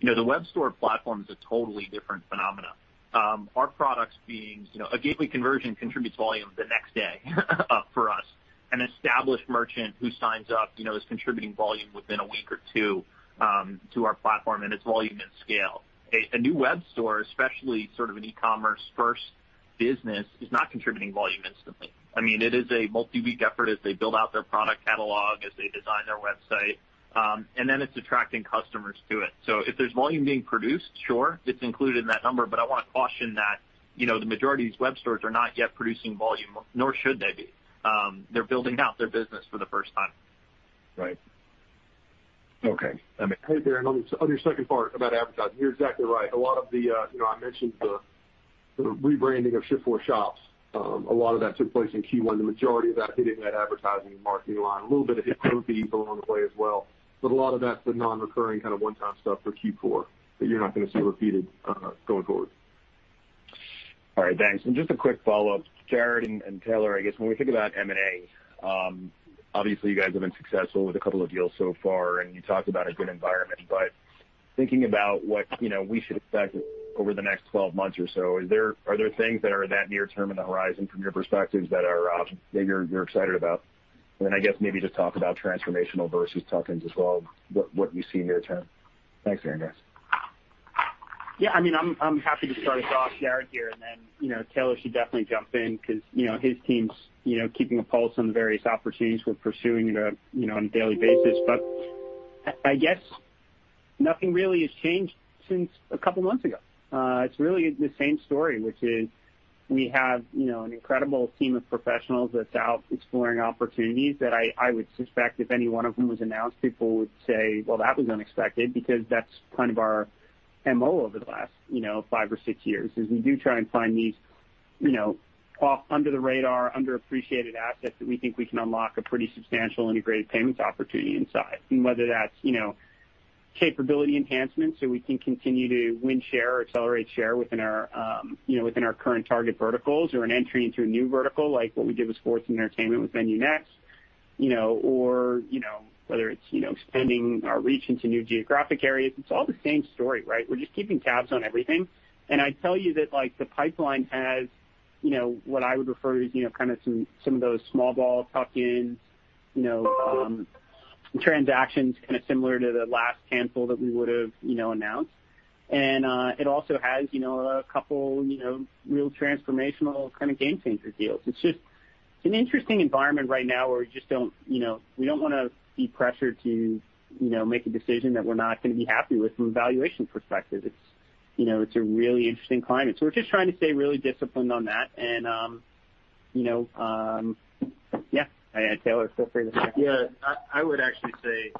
The web store platform is a totally different phenomenon. Our products being, a gateway conversion contributes volume the next day for us. An established merchant who signs up is contributing volume within a week or two to our platform, and it's volume and scale. A new web store, especially sort of an e-commerce first business, is not contributing volume instantly. It is a multi-week effort as they build out their product catalog, as they design their website, and then it's attracting customers to it. If there's volume being produced, sure, it's included in that number. I want to caution that the majority of these web stores are not yet producing volume, nor should they be. They're building out their business for the first time. Right. Okay. Hey, Darrin, on your second part about advertising, you're exactly right. I mentioned the rebranding of Shift4Shop. A lot of that took place in Q1, the majority of that hitting that advertising and marketing line. A little bit hit COGS along the way as well, but a lot of that's the non-recurring kind of one-time stuff for Q4 that you're not going to see repeated going forward. All right. Thanks. Just a quick follow-up. Jared and Taylor, I guess when we think about M&A, obviously you guys have been successful with a couple of deals so far, and you talked about a good environment. Thinking about what we should expect over the next 12 months or so, are there things that are that near term on the horizon from your perspectives that you're excited about? Then I guess maybe just talk about transformational versus tuck-ins as well, what you see near term. Thanks, guys. I'm happy to start us off, Jared here, and then Taylor should definitely jump in because his team's keeping a pulse on the various opportunities we're pursuing on a daily basis. I guess nothing really has changed since a couple of months ago. It's really the same story, which is we have an incredible team of professionals that's out exploring opportunities that I would suspect if any one of them was announced, people would say, "Well, that was unexpected," because that's kind of our MO over the last five or six years, is we do try and find these off, under the radar, underappreciated assets that we think we can unlock a pretty substantial integrated payments opportunity inside. Whether that's capability enhancements so we can continue to win share or accelerate share within our current target verticals or an entry into a new vertical like what we did with sports and entertainment with VenueNext, or whether it's extending our reach into new geographic areas. It's all the same story, right? We're just keeping tabs on everything, and I'd tell you that the pipeline has what I would refer to as some of those small ball tuck-ins transactions, kind of similar to the last cancel that we would've announced. It also has a couple real transformational kind of game changer deals. It's an interesting environment right now where we don't want to be pressured to make a decision that we're not going to be happy with from a valuation perspective. It's a really interesting climate. We're just trying to stay really disciplined on that. Taylor, feel free to jump in. Yeah, I would actually say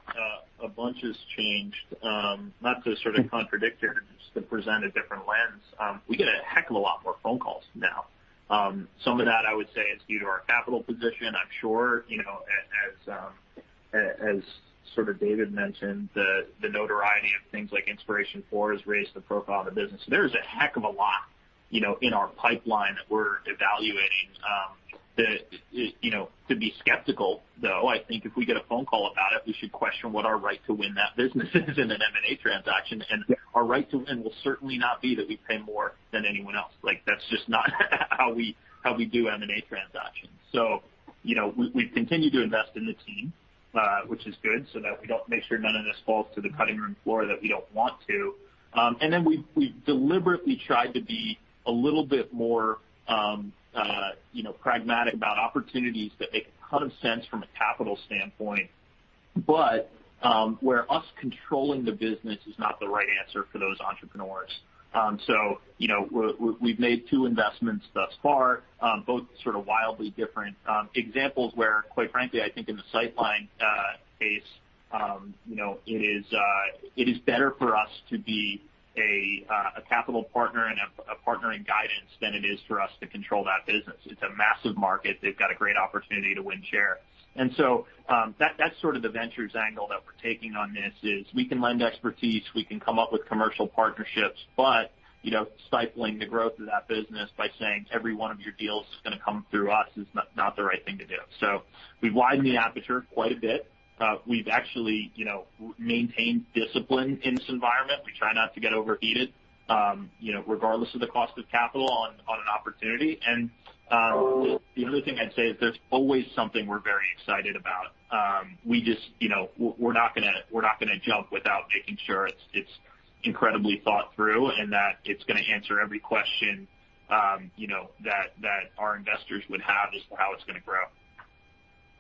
a bunch has changed. Not to sort of contradict here, just to present a different lens. We get a heck of a lot more phone calls now. Some of that I would say is due to our capital position. I'm sure as sort of David mentioned, the notoriety of things like Inspiration4 has raised the profile of the business. There's a heck of a lot in our pipeline that we're evaluating. To be skeptical, though, I think if we get a phone call about it, we should question what our right to win that business is in an M&A transaction, and our right to win will certainly not be that we pay more than anyone else. That's just not how we do M&A transactions. We've continued to invest in the team which is good, so that we make sure none of this falls to the cutting room floor that we don't want to. We've deliberately tried to be a little bit more pragmatic about opportunities that make a ton of sense from a capital standpoint. But where us controlling the business is not the right answer for those entrepreneurs. We've made two investments thus far, both sort of wildly different examples where, quite frankly, I think in the Sightline case it is better for us to be a capital partner and a partner in guidance than it is for us to control that business. It's a massive market. They've got a great opportunity to win share. That's sort of the Ventures angle that we're taking on this is we can lend expertise, we can come up with commercial partnerships, but stifling the growth of that business by saying every one of your deals is going to come through us is not the right thing to do. We've widened the aperture quite a bit. We've actually maintained discipline in this environment. We try not to get overheated regardless of the cost of capital on an opportunity. The other thing I'd say is there's always something we're very excited about. We're not going to jump without making sure it's incredibly thought through and that it's going to answer every question that our investors would have as to how it's going to grow.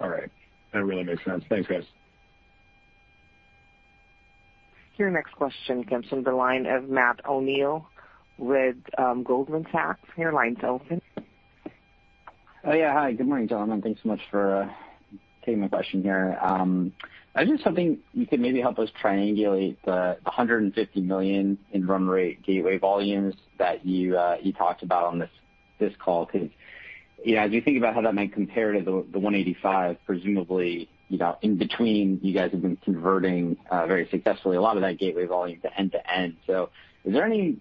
All right. That really makes sense. Thanks, guys. Your next question comes from the line of Matthew O'Neill with Goldman Sachs. Your line's open. Yeah, hi. Good morning, gentlemen. Thanks so much for taking my question here. I was just wondering if you could maybe help us triangulate the $150 million in run rate gateway volumes that you talked about on this call, because as you think about how that might compare to the $185 million, presumably in between, you guys have been converting very successfully a lot of that gateway volume to end-to-end. Is there any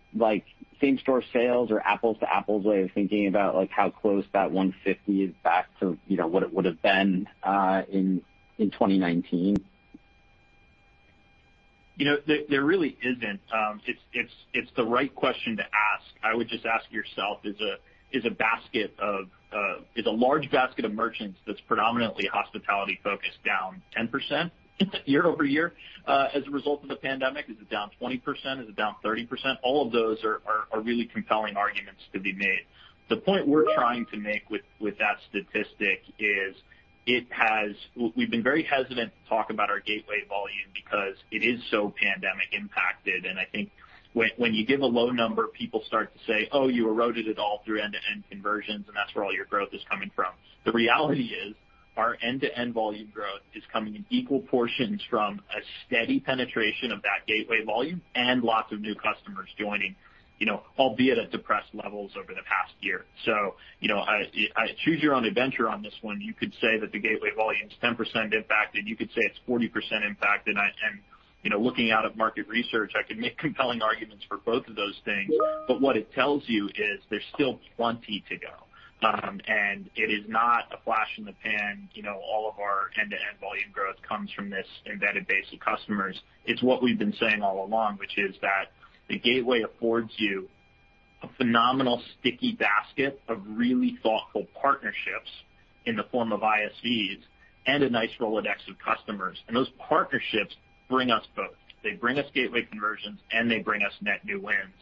same-store sales or apples-to-apples way of thinking about how close that $150 million is back to what it would have been in 2019? There really isn't. It's the right question to ask. I would just ask yourself, is a large basket of merchants that's predominantly hospitality-focused down 10% year-over-year as a result of the pandemic? Is it down 20%? Is it down 30%? All of those are really compelling arguments to be made. The point we're trying to make with that statistic is we've been very hesitant to talk about our gateway volume because it is so pandemic impacted, and I think when you give a low number, people start to say, "Oh, you eroded it all through end-to-end conversions, and that's where all your growth is coming from." The reality is, our end-to-end volume growth is coming in equal portions from a steady penetration of that gateway volume and lots of new customers joining, albeit at depressed levels over the past year. Choose your own adventure on this one. You could say that the gateway volume is 10% impacted. You could say it's 40% impacted. Looking out at market research, I can make compelling arguments for both of those things. What it tells you is there's still plenty to go. It is not a flash in the pan, all of our end-to-end volume growth comes from this embedded base of customers. It's what we've been saying all along, which is that the gateway affords you a phenomenal sticky basket of really thoughtful partnerships in the form of ISVs and a nice Rolodex of customers. Those partnerships bring us both. They bring us gateway conversions, and they bring us net new wins.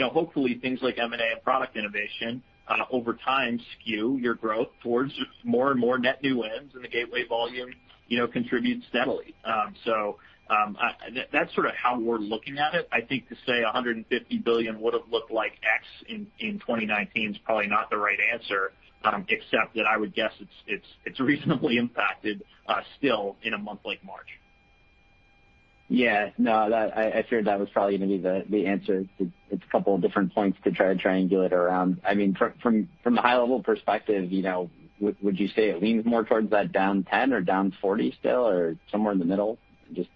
Hopefully things like M&A and product innovation over time skew your growth towards more and more net new wins and the gateway volume contributes steadily. That's sort of how we're looking at it. I think to say $150 billion would've looked like X in 2019 is probably not the right answer, except that I would guess it's reasonably impacted still in a month like March. No, I figured that was probably going to be the answer. It's a couple of different points to try to triangulate around. From the high-level perspective, would you say it leans more towards that down 10% or down 40% still, or somewhere in the middle? Just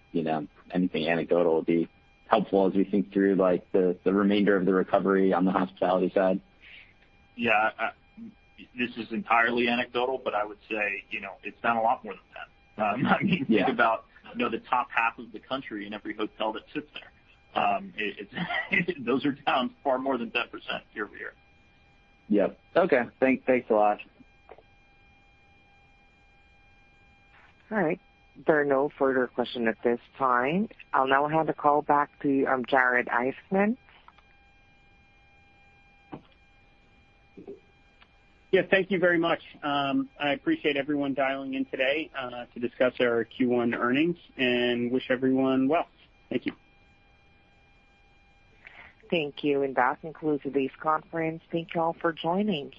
anything anecdotal would be helpful as we think through the remainder of the recovery on the hospitality side. Yeah. This is entirely anecdotal, but I would say it's down a lot more than 10%. Yeah think about the top half of the country and every hotel that sits there. Those are down far more than 10% year-over-year. Yep. Okay. Thanks a lot. All right. There are no further questions at this time. I'll now hand the call back to Jared Isaacman. Yeah. Thank you very much. I appreciate everyone dialing in today to discuss our Q1 earnings and wish everyone well. Thank you. Thank you. That concludes today's conference. Thank you all for joining.